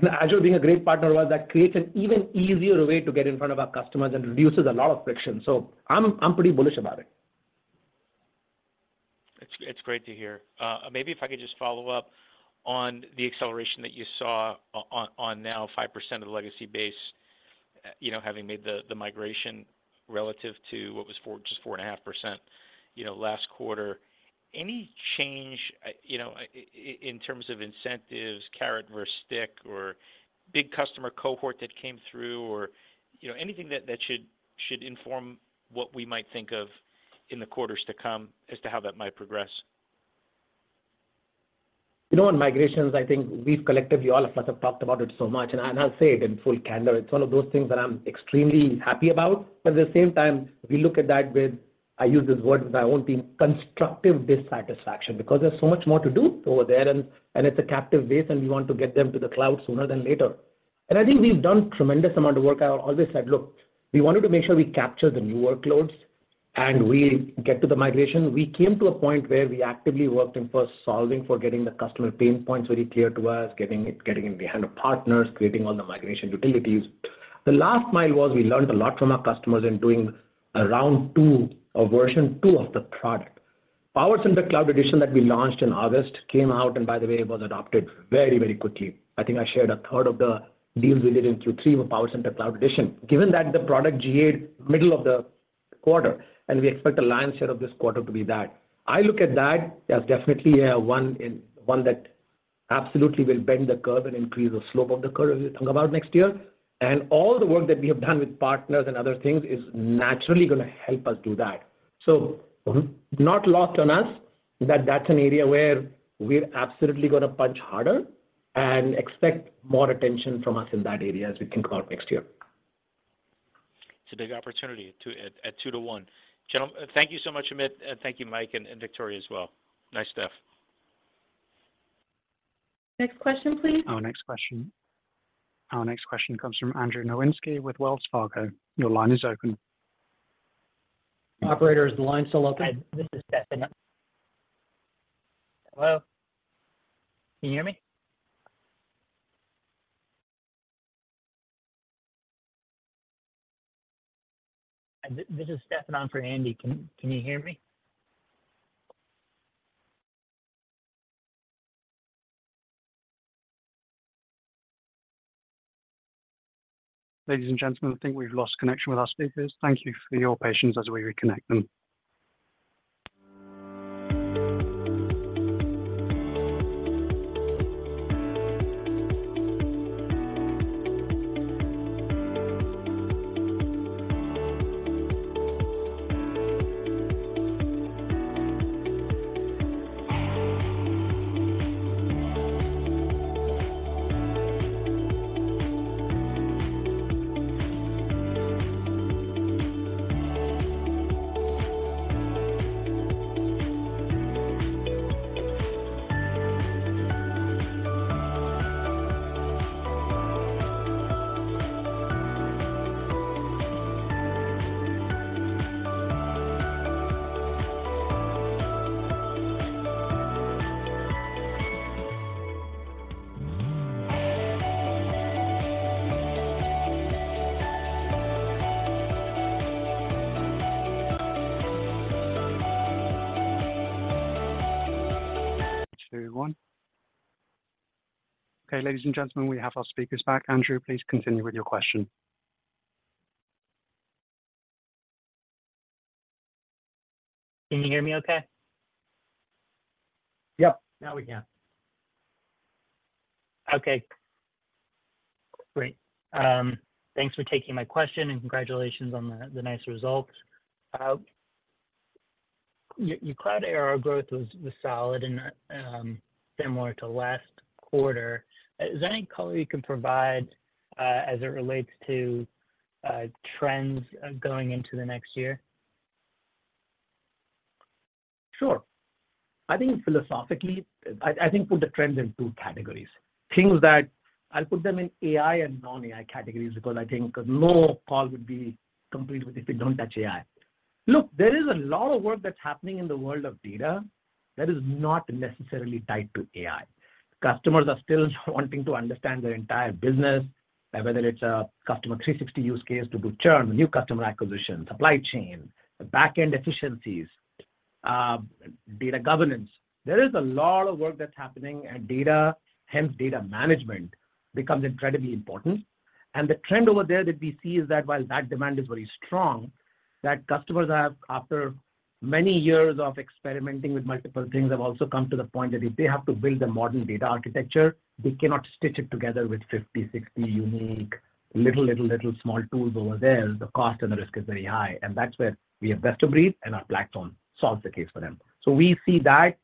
and Azure being a great partner of ours, that creates an even easier way to get in front of our customers and reduces a lot of friction. So I'm, I'm pretty bullish about it. It's great to hear. Maybe if I could just follow up on the acceleration that you saw on now 5% of the legacy base, you know, having made the migration relative to what was 4%, just 4.5%, you know, last quarter. Any change, you know, in terms of incentives, carrot versus stick, or big customer cohort that came through, or, you know, anything that should inform what we might think of in the quarters to come as to how that might progress? You know, on migrations, I think we've collectively, all of us have talked about it so much, and I, and I'll say it in full candor, it's one of those things that I'm extremely happy about. But at the same time, we look at that with, I use this word of my own, constructive dissatisfaction, because there's so much more to do over there, and, and it's a captive base, and we want to get them to the cloud sooner than later. And I think we've done tremendous amount of work. I always said, "Look, we wanted to make sure we capture the new workloads and we get to the migration." We came to a point where we actively worked in first solving for getting the customer pain points very clear to us, getting it, getting it behind the partners, creating all the migration utilities. The last mile was we learned a lot from our customers in doing a round two or version two of the product. PowerCenter Cloud Edition that we launched in August came out, and by the way, it was adopted very, very quickly. I think I shared a third of the deals we did in Q3 were PowerCenter Cloud Edition. Given that the product middle of the quarter, and we expect the lion's share of this quarter to be that. I look at that as definitely one that absolutely will bend the curve and increase the slope of the curve as we talk about next year. And all the work that we have done with partners and other things is naturally gonna help us do that. Not lost on us, that that's an area where we're absolutely gonna punch harder and expect more attention from us in that area as we think about next year. It's a big opportunity to 2:1. Gentlemen, thank you so much, Amit, and thank you, Mike, and Victoria as well. Nice stuff. Next question, please. Our next question. Our next question comes from Andrew Nowinski with Wells Fargo. Your line is open. Operator, is the line still open? Hi, this is Stefan. Hello, can you hear me? This is Stefan on for Andy. Can you hear me? Ladies and gentlemen, I think we've lost connection with our speakers. Thank you for your patience as we reconnect them. 2, 1. Okay, ladies and gentlemen, we have our speakers back. Andrew, please continue with your question. Can you hear me okay? Yep, now we can. Okay. Great. Thanks for taking my question, and congratulations on the nice results. Your cloud ARR growth was solid and similar to last quarter. Is there any color you can provide as it relates to trends going into the next year? Sure. I think philosophically, I think put the trends in two categories. Things that I'll put them in AI and non-AI categories, because I think no call would be complete with if we don't touch AI. Look, there is a lot of work that's happening in the world of data that is not necessarily tied to AI. Customers are still wanting to understand their entire business, whether it's a Customer 360 use case to do churn, new customer acquisition, supply chain, back-end efficiencies, data governance. There is a lot of work that's happening, and data, hence data management, becomes incredibly important. The trend over there that we see is that while that demand is very strong, that customers have, after many years of experimenting with multiple things, have also come to the point that if they have to build a modern data architecture, they cannot stitch it together with 50, 60 unique little, little, little small tools over there. The cost and the risk is very high, and that's where we have best of breed, and our black tone solves the case for them. We see that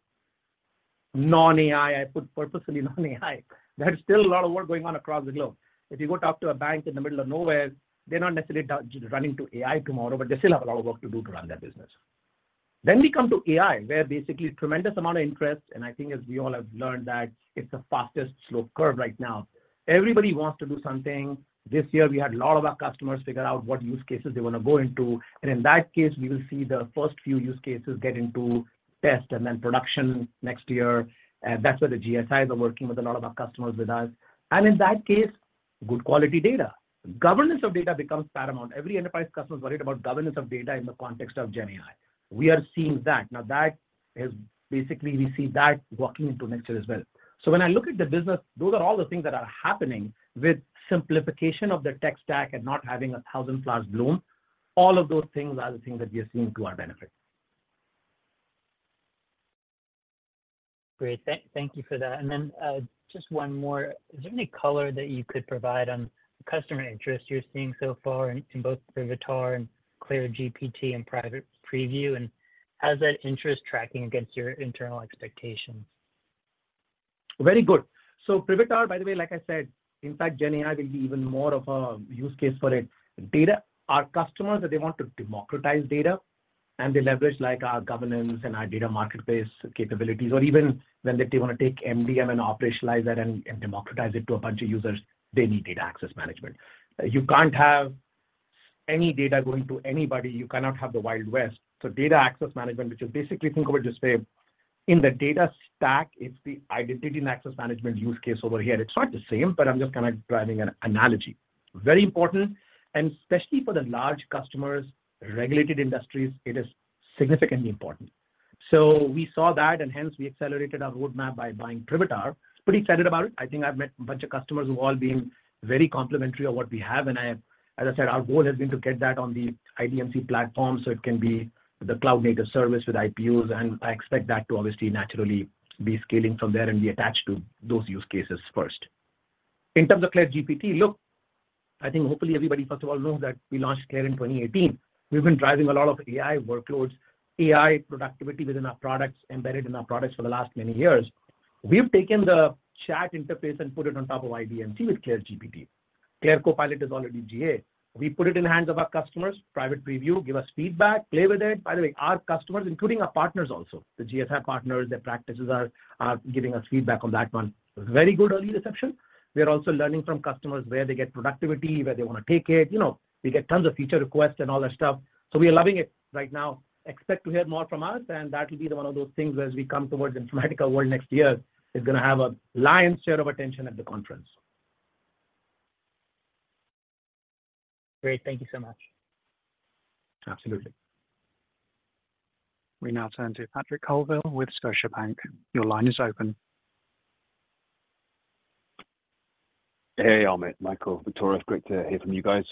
non-AI, I put purposely non-AI. There is still a lot of work going on across the globe. If you go talk to a bank in the middle of nowhere, they're not necessarily running to AI tomorrow, but they still have a lot of work to do to run their business. Then we come to AI, where basically tremendous amount of interest, and I think as we all have learned, that it's the fastest slope curve right now. Everybody wants to do something. This year, we had a lot of our customers figure out what use cases they want to go into, and in that case, we will see the first few use cases get into test and then production next year. That's where the GSIs are working with a lot of our customers with us. And in that case, good quality data. Governance of data becomes paramount. Every enterprise customer is worried about governance of data in the context of GenAI. We are seeing that. Now, that is basically we see that walking into next year as well. When I look at the business, those are all the things that are happening with simplification of the tech stack and not having a thousand flowers bloom. All of those things are the things that we are seeing to our benefit. Great. Thank you for that. And then, just one more. Is there any color that you could provide on customer interest you're seeing so far in both Privitar and CLAIRE GPT and private preview? And how's that interest tracking against your internal expectations? Very good. So Privitar, by the way, like I said, in fact, GenAI will be even more of a use case for it. Data, our customers, they want to democratize data, and they leverage, like, our Governance and our Data Marketplace capabilities, or even when they want to take MDM and operationalize that and democratize it to a bunch of users, they need data access management. You can't have any data going to anybody. You cannot have the Wild West. So data access management, which is basically, think of it this way, in the data stack, it's the identity and access management use case over here. It's not the same, but I'm just kind of driving an analogy. Very important, and especially for the large customers, regulated industries, it is significantly important. So we saw that, and hence we accelerated our roadmap by buying Privitar. Pretty excited about it. I think I've met a bunch of customers who've all been very complimentary of what we have, and I, as I said, our goal has been to get that on the IDMC platform, so it can be the cloud-native service with IPUs, and I expect that to obviously naturally be scaling from there and be attached to those use cases first. In terms of CLAIRE GPT, look, I think hopefully everybody, first of all, knows that we launched CLAIRE in 2018. We've been driving a lot of AI workloads, AI productivity within our products, embedded in our products for the last many years. We've taken the chat interface and put it on top of IDMC with CLAIRE GPT. CLAIRE CoPilot is already GA. We put it in the hands of our customers, private preview, give us feedback, play with it. By the way, our customers, including our partners also, the GSI partners, their practices are giving us feedback on that one. Very good early reception. We are also learning from customers where they get productivity, where they want to take it. You know, we get tons of feature requests and all that stuff, so we are loving it right now. Expect to hear more from us, and that will be one of those things as we come towards Informatica World next year, is gonna have a lion's share of attention at the conference. Great. Thank you so much. Absolutely. We now turn to Patrick Colville with Scotiabank. Your line is open. Hey, Amit, Michael enjoy a good day. It's great to hear from you guys.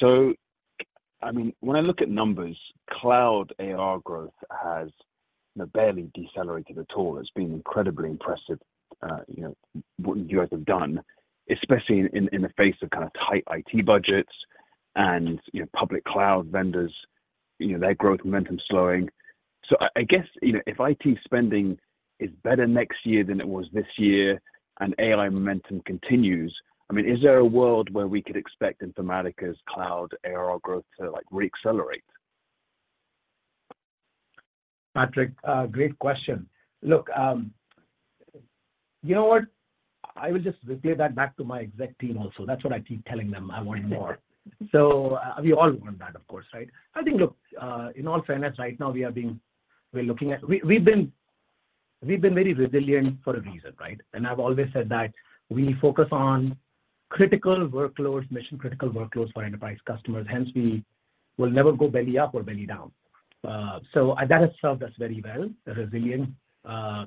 So I mean, when I look at numbers, cloud ARR growth has barely decelerated at all. It's been incredibly impressive, you know, what you guys have done, especially in the face of kind of tight IT budgets and, you know, public cloud vendors, you know, their growth momentum slowing. So I guess, you know, if IT spending is better next year than it was this year and AI momentum continues, I mean, is there a world where we could expect Informatica's cloud ARR growth to, like, re-accelerate? Patrick, great question. Look, you know what? I will just relay that back to my exec team also. That's what I keep telling them I want more. So we all want that, of course, right? I think, look, in all fairness, right now, we are being we're looking at we've been very resilient for a reason, right? And I've always said that we focus on critical workloads, mission-critical workloads for enterprise customers. Hence, we will never go belly up or belly down. So that has served us very well, the resilient,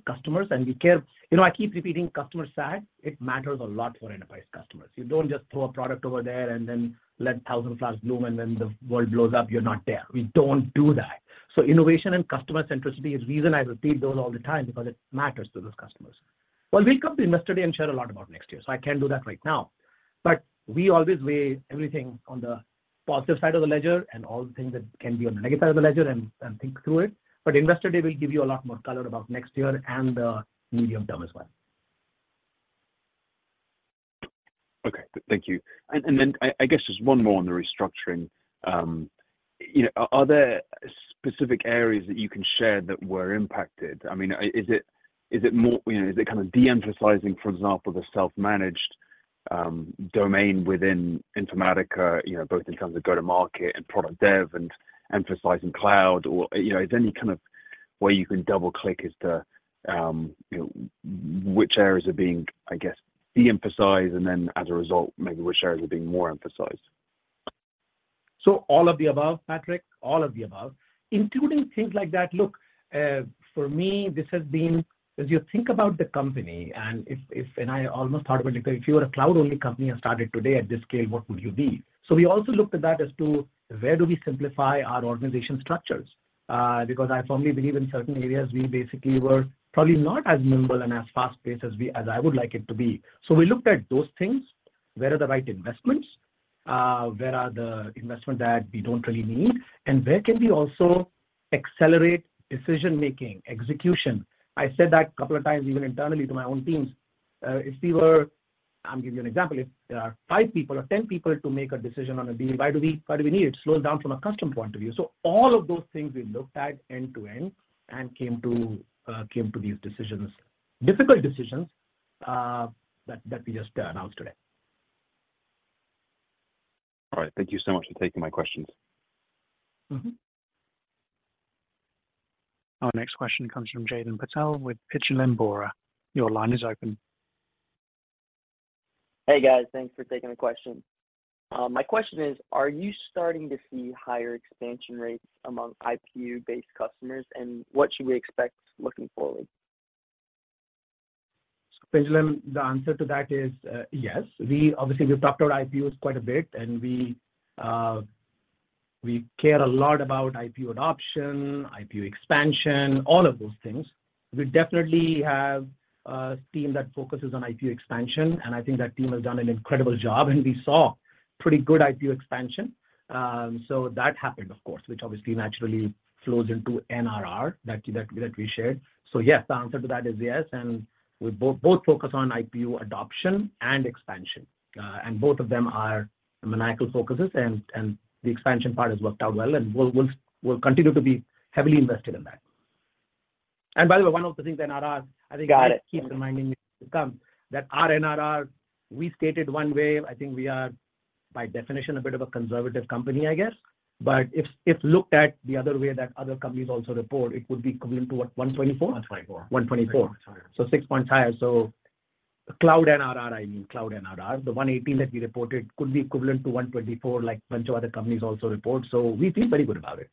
customers. And we care you know, I keep repeating customer sat, it matters a lot for enterprise customers. You don't just throw a product over there and then let thousand flowers bloom, and then the world blows up, you're not there. We don't do that. So innovation and customer centricity is the reason I repeat those all the time, because it matters to those customers. Well, we'll come to Investor Day and share a lot about next year, so I can't do that right now. But we always weigh everything on the positive side of the ledger and all the things that can be on the negative side of the ledger and think through it. But Investor Day will give you a lot more color about next year and the medium term as well. Okay, thank you. And, and then I, I guess just one more on the restructuring. You know, are, are there specific areas that you can share that were impacted? I mean, is it, is it more, you know, is it kind of de-emphasizing, for example, the self-managed domain within Informatica, you know, both in terms of go-to-market and product dev and emphasizing cloud? Or, you know, is there any kind of way you can double-click as to, you know, which areas are being, I guess, de-emphasized, and then as a result, maybe which areas are being more emphasized? So all of the above, Patrick, all of the above, including things like that. Look, for me, this has been, as you think about the company, and if, if, and I almost thought about it, if you were a cloud-only company and started today at this scale, what would you be? So we also looked at that as to where do we simplify our organization structures? Because I firmly believe in certain areas, we basically were probably not as nimble and as fast-paced as we, as I would like it to be. So we looked at those things. Where are the right investments? Where are the investment that we don't really need? And where can we also accelerate decision-making, execution? I said that a couple of times, even internally to my own teams. If we were. I'll give you an example. If there are five people or 10 people to make a decision on a deal, why do we, why do we need it? It slows down from a customer point of view. So all of those things we looked at end to end and came to, came to these decisions, difficult decisions, that, that we just, announced today. All right. Thank you so much for taking my questions. Mm-hmm. Our next question comes from Pinjalim Bora with JPMorgan. Your line is open. Hey, guys. Thanks for taking the question. My question is: are you starting to see higher expansion rates among IPU-based customers, and what should we expect looking forward? Pinjalim, the answer to that is yes. We obviously, we've talked about IPUs quite a bit, and we care a lot about IPU adoption, IPU expansion, all of those things. We definitely have a team that focuses on IPU expansion, and I think that team has done an incredible job, and we saw pretty good IPU expansion. So that happened, of course, which obviously naturally flows into NRR that we shared. So yes, the answer to that is yes, and we both focus on IPU adoption and expansion. And both of them are maniacal focuses, and the expansion part has worked out well, and we'll continue to be heavily invested in that. And by the way, one of the things NRR, I think- Got it. Keep reminding me to come, that our NRR, we stated one way. I think we are, by definition, a bit of a conservative company, I guess. But if looked at the other way that other companies also report, it would be equivalent to what, 124? 124. 124. six points higher. Six points higher. Cloud NRR, I mean, cloud NRR, the 118 that we reported could be equivalent to 124, like a bunch of other companies also report, so we feel very good about it.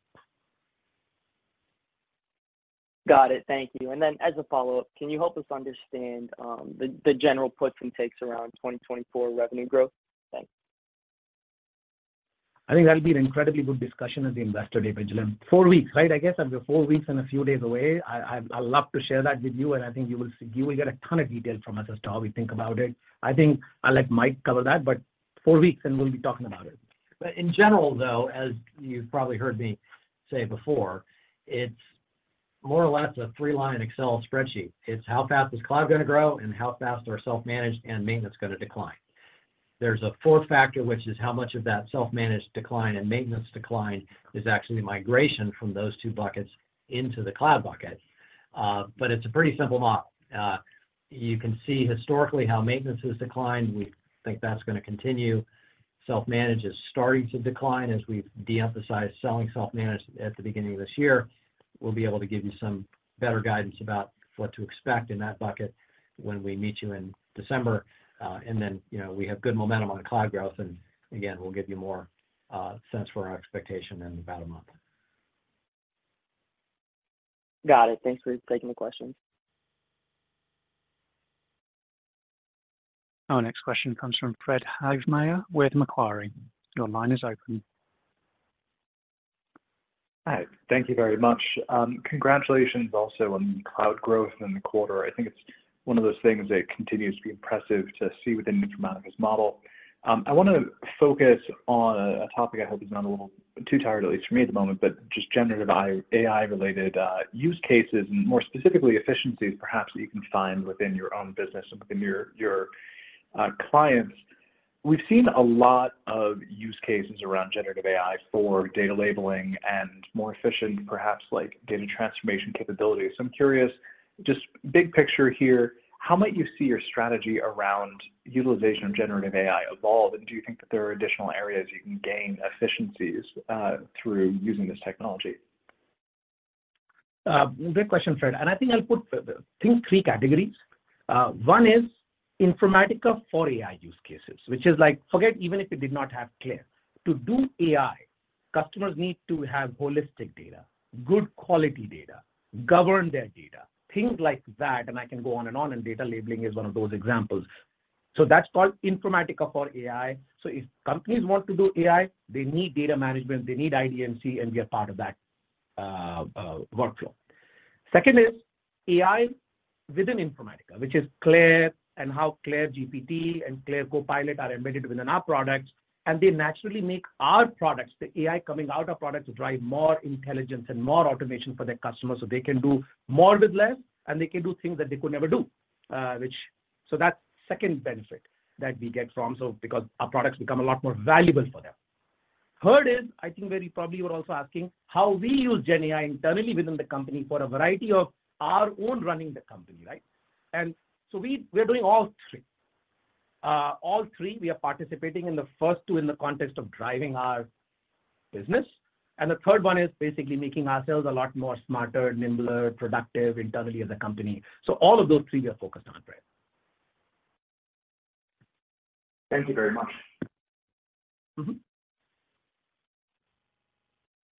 Got it. Thank you. And then, as a follow-up, can you help us understand the general puts and takes around 2024 revenue growth? Thanks. I think that'll be an incredibly good discussion at the Investor Day, Pinjalim. Four weeks, right? I guess after four weeks and a few days away, I, I'd love to share that with you, and I think you will see, you will get a ton of detail from us as to how we think about it. I think I'll let Mike cover that, but four weeks, and we'll be talking about it. But in general, though, as you've probably heard me say before, it's more or less a three-line Excel spreadsheet. It's how fast is cloud going to grow and how fast are self-managed and maintenance going to decline. There's a fourth factor, which is how much of that self-managed decline and maintenance decline is actually migration from those two buckets into the cloud bucket. But it's a pretty simple model. You can see historically how maintenance has declined. We think that's going to continue. Self-managed is starting to decline as we've de-emphasized selling self-managed at the beginning of this year. We'll be able to give you some better guidance about what to expect in that bucket when we meet you in December. And then, you know, we have good momentum on the cloud growth, and again, we'll give you more sense for our expectation in about a month. Got it. Thanks for taking the question. Our next question comes from Fred Havemeyer with Macquarie. Your line is open. Hi. Thank you very much. Congratulations also on cloud growth in the quarter. I think it's one of those things that continues to be impressive to see within Informatica's model. I want to focus on a topic I hope is not a little too tired, at least for me at the moment, but just generative AI-related use cases and more specifically, efficiencies, perhaps, that you can find within your own business and within your, your clients. We've seen a lot of use cases around generative AI for data labeling and more efficient, perhaps like data transformation capabilities. So I'm curious, just big picture here, how might you see your strategy around utilization of generative AI evolve, and do you think that there are additional areas you can gain efficiencies through using this technology? Great question, Fred. And I think I'll put, think three categories. One is Informatica for AI use cases, which is like, forget even if you did not have CLAIRE. To do AI, customers need to have holistic data, good quality data, govern their data, things like that, and I can go on and on, and data labeling is one of those examples. So that's called Informatica for AI. So if companies want to do AI, they need data management, they need IDMC, and we are part of that workflow. Second is AI within Informatica, which is CLAIRE and how CLAIRE GPT and CLAIRE CoPilot are embedded within our products, and they naturally make our products, the AI coming out of products, drive more intelligence and more automation for their customers, so they can do more with less, and they can do things that they could never do. So that's second benefit that we get from, so because our products become a lot more valuable for them. Third is, I think very probably you're also asking, how we use GenAI internally within the company for a variety of our own running the company, right? And so we're doing all three. All three, we are participating in the first two in the context of driving our business, and the third one is basically making ourselves a lot more smarter, nimbler, productive internally as a company. All of those three, we are focused on, Fred. Thank you very much. Mm-hmm.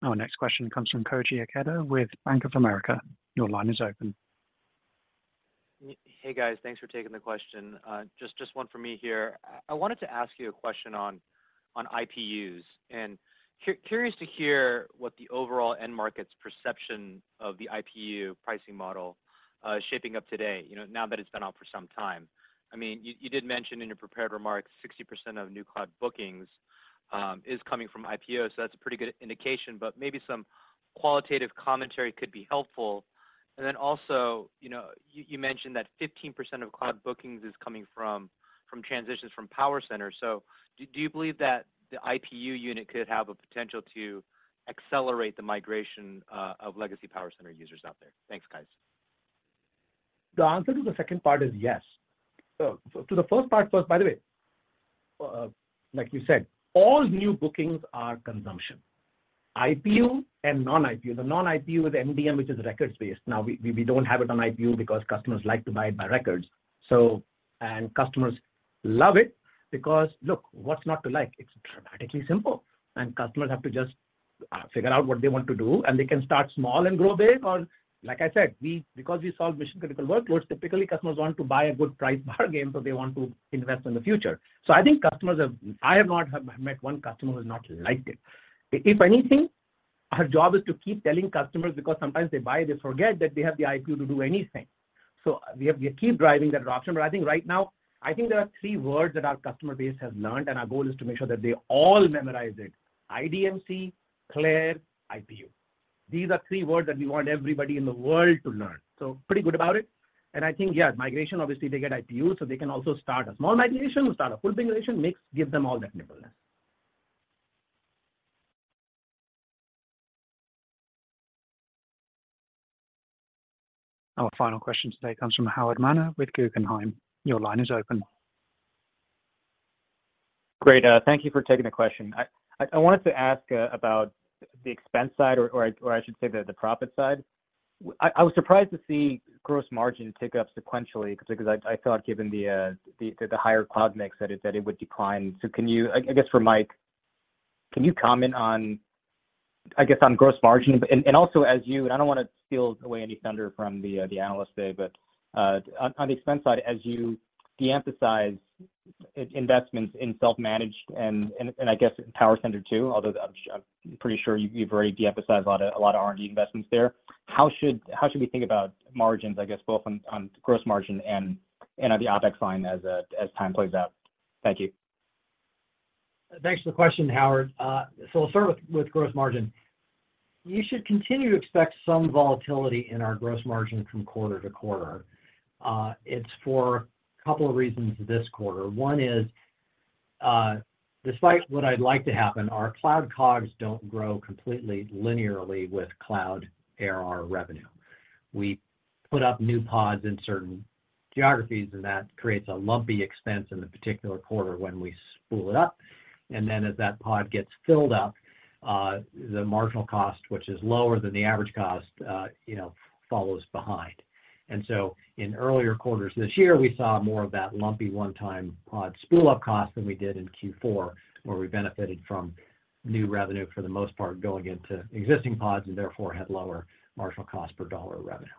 Our next question comes from Koji Ikeda with Bank of America. Your line is open. Hey, guys, thanks for taking the question. Just one for me here. I wanted to ask you a question on IPUs, and curious to hear what the overall end market's perception of the IPU pricing model is shaping up today, you know, now that it's been out for some time. I mean, you did mention in your prepared remarks, 60% of new cloud bookings is coming from IPU, so that's a pretty good indication, but maybe some qualitative commentary could be helpful. And then also, you know, you mentioned that 15% of cloud bookings is coming from transitions from PowerCenter. So do you believe that the IPU unit could have a potential to accelerate the migration of legacy PowerCenter users out there? Thanks, guys. The answer to the second part is yes. So, to the first part, first, by the way, like you said, all new bookings are consumption, IPU and non-IPU. The non-IPU is MDM, which is records-based. Now, we don't have it on IPU because customers like to buy it by records. So, customers love it because, look, what's not to like? It's dramatically simple, and customers have to just figure out what they want to do, and they can start small and grow big. Or like I said, because we solve mission-critical workloads, typically, customers want to buy a good price bargain, so they want to invest in the future. So I think customers have, I have not met one customer who has not liked it. If anything, our job is to keep telling customers, because sometimes they buy, they forget that they have the IPU to do anything. So we have, we keep driving that adoption, but I think right now, I think there are three words that our customer base has learned, and our goal is to make sure that they all memorize it: IDMC, CLAIRE, IPU. These are three words that we want everybody in the world to learn. So pretty good about it. And I think, yeah, migration, obviously, they get IPU, so they can also start a small migration, or start a full migration, mix, give them all that pliability. Our final question today comes from Howard Ma with Guggenheim. Your line is open. Great, thank you for taking the question. I wanted to ask about the expense side, or I should say the profit side. I was surprised to see gross margin tick up sequentially, because I thought, given the higher cloud mix, that it would decline. So can you... I guess for Mike, can you comment on gross margin? And also as you, I don't want to steal away any thunder from the analyst today, but on the expense side, as you de-emphasize investments in self-managed and I guess PowerCenter too, although I'm pretty sure you, you've already de-emphasized a lot of R&D investments there. How should, how should we think about margins, I guess, both on, on gross margin and, and on the OpEx line as, as time plays out? Thank you. Thanks for the question, Howard. So I'll start with gross margin. You should continue to expect some volatility in our gross margin from quarter-to-quarter. It's for a couple of reasons this quarter. One is, despite what I'd like to happen, our cloud COGS don't grow completely linearly with cloud ARR revenue. We put up new pods in certain geographies, and that creates a lumpy expense in the particular quarter when we spool it up, and then as that pod gets filled up, the marginal cost, which is lower than the average cost, you know, follows behind. And so in earlier quarters this year, we saw more of that lumpy, one-time pod spool up cost than we did in Q4, where we benefited from new revenue for the most part, going into existing pods, and therefore, had lower marginal cost per dollar revenue.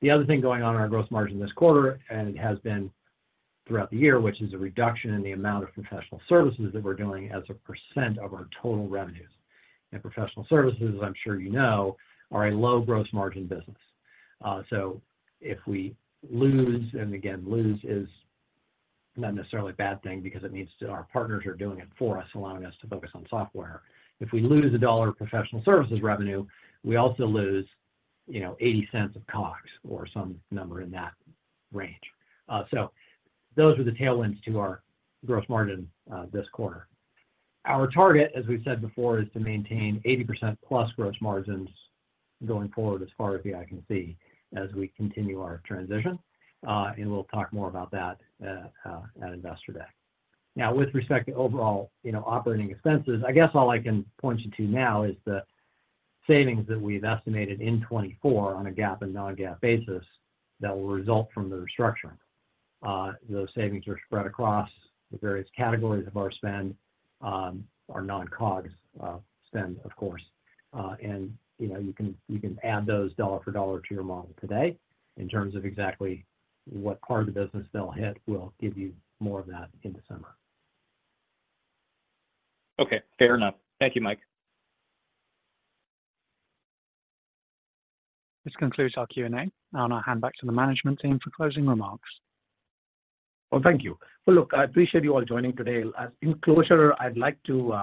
The other thing going on in our gross margin this quarter, and it has been throughout the year, which is a reduction in the amount of professional services that we're doing as a percent of our total revenues. And professional services, as I'm sure you know, are a low gross margin business. So if we lose, and again, lose is not necessarily a bad thing because it means that our partners are doing it for us, allowing us to focus on software. If we lose $1 of professional services revenue, we also lose, you know, $0.80 of COGS or some number in that range. So those were the tailwinds to our gross margin, this quarter. Our target, as we've said before, is to maintain 80%+ gross margins going forward as far as the eye can see, as we continue our transition. And we'll talk more about that at Investor Day. Now, with respect to overall, you know, operating expenses, I guess all I can point you to now is the savings that we've estimated in 2024 on a GAAP and non-GAAP basis that will result from the restructuring. Those savings are spread across the various categories of our spend, our non-COGS spend, of course, and, you know, you can add those dollar for dollar to your model today in terms of exactly what part of the business they'll hit. We'll give you more of that in December. Okay, fair enough. Thank you, Mike. This concludes our Q&A. I'll now hand back to the management team for closing remarks. Well, thank you. So look, I appreciate you all joining today. In closing, I'd like to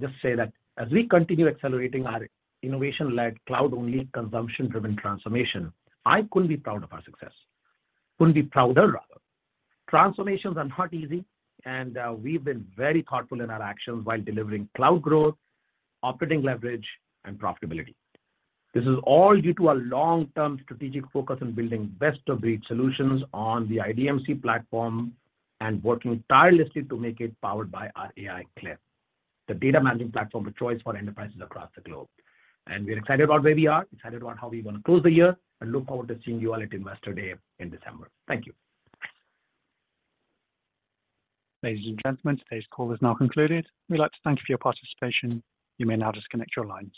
just say that as we continue accelerating our innovation-led, cloud-only, consumption-driven transformation, I couldn't be prouder of our success. Transformations are not easy, and we've been very thoughtful in our actions while delivering cloud growth, operating leverage, and profitability. This is all due to a long-term strategic focus on building best-of-breed solutions on the IDMC platform and working tirelessly to make it powered by our AI, CLAIRE, the data management platform of choice for enterprises across the globe. We're excited about where we are, excited about how we want to close the year, and look forward to seeing you all at Investor Day in December. Thank you. Ladies and gentlemen, today's call is now concluded. We'd like to thank you for your participation. You may now disconnect your lines.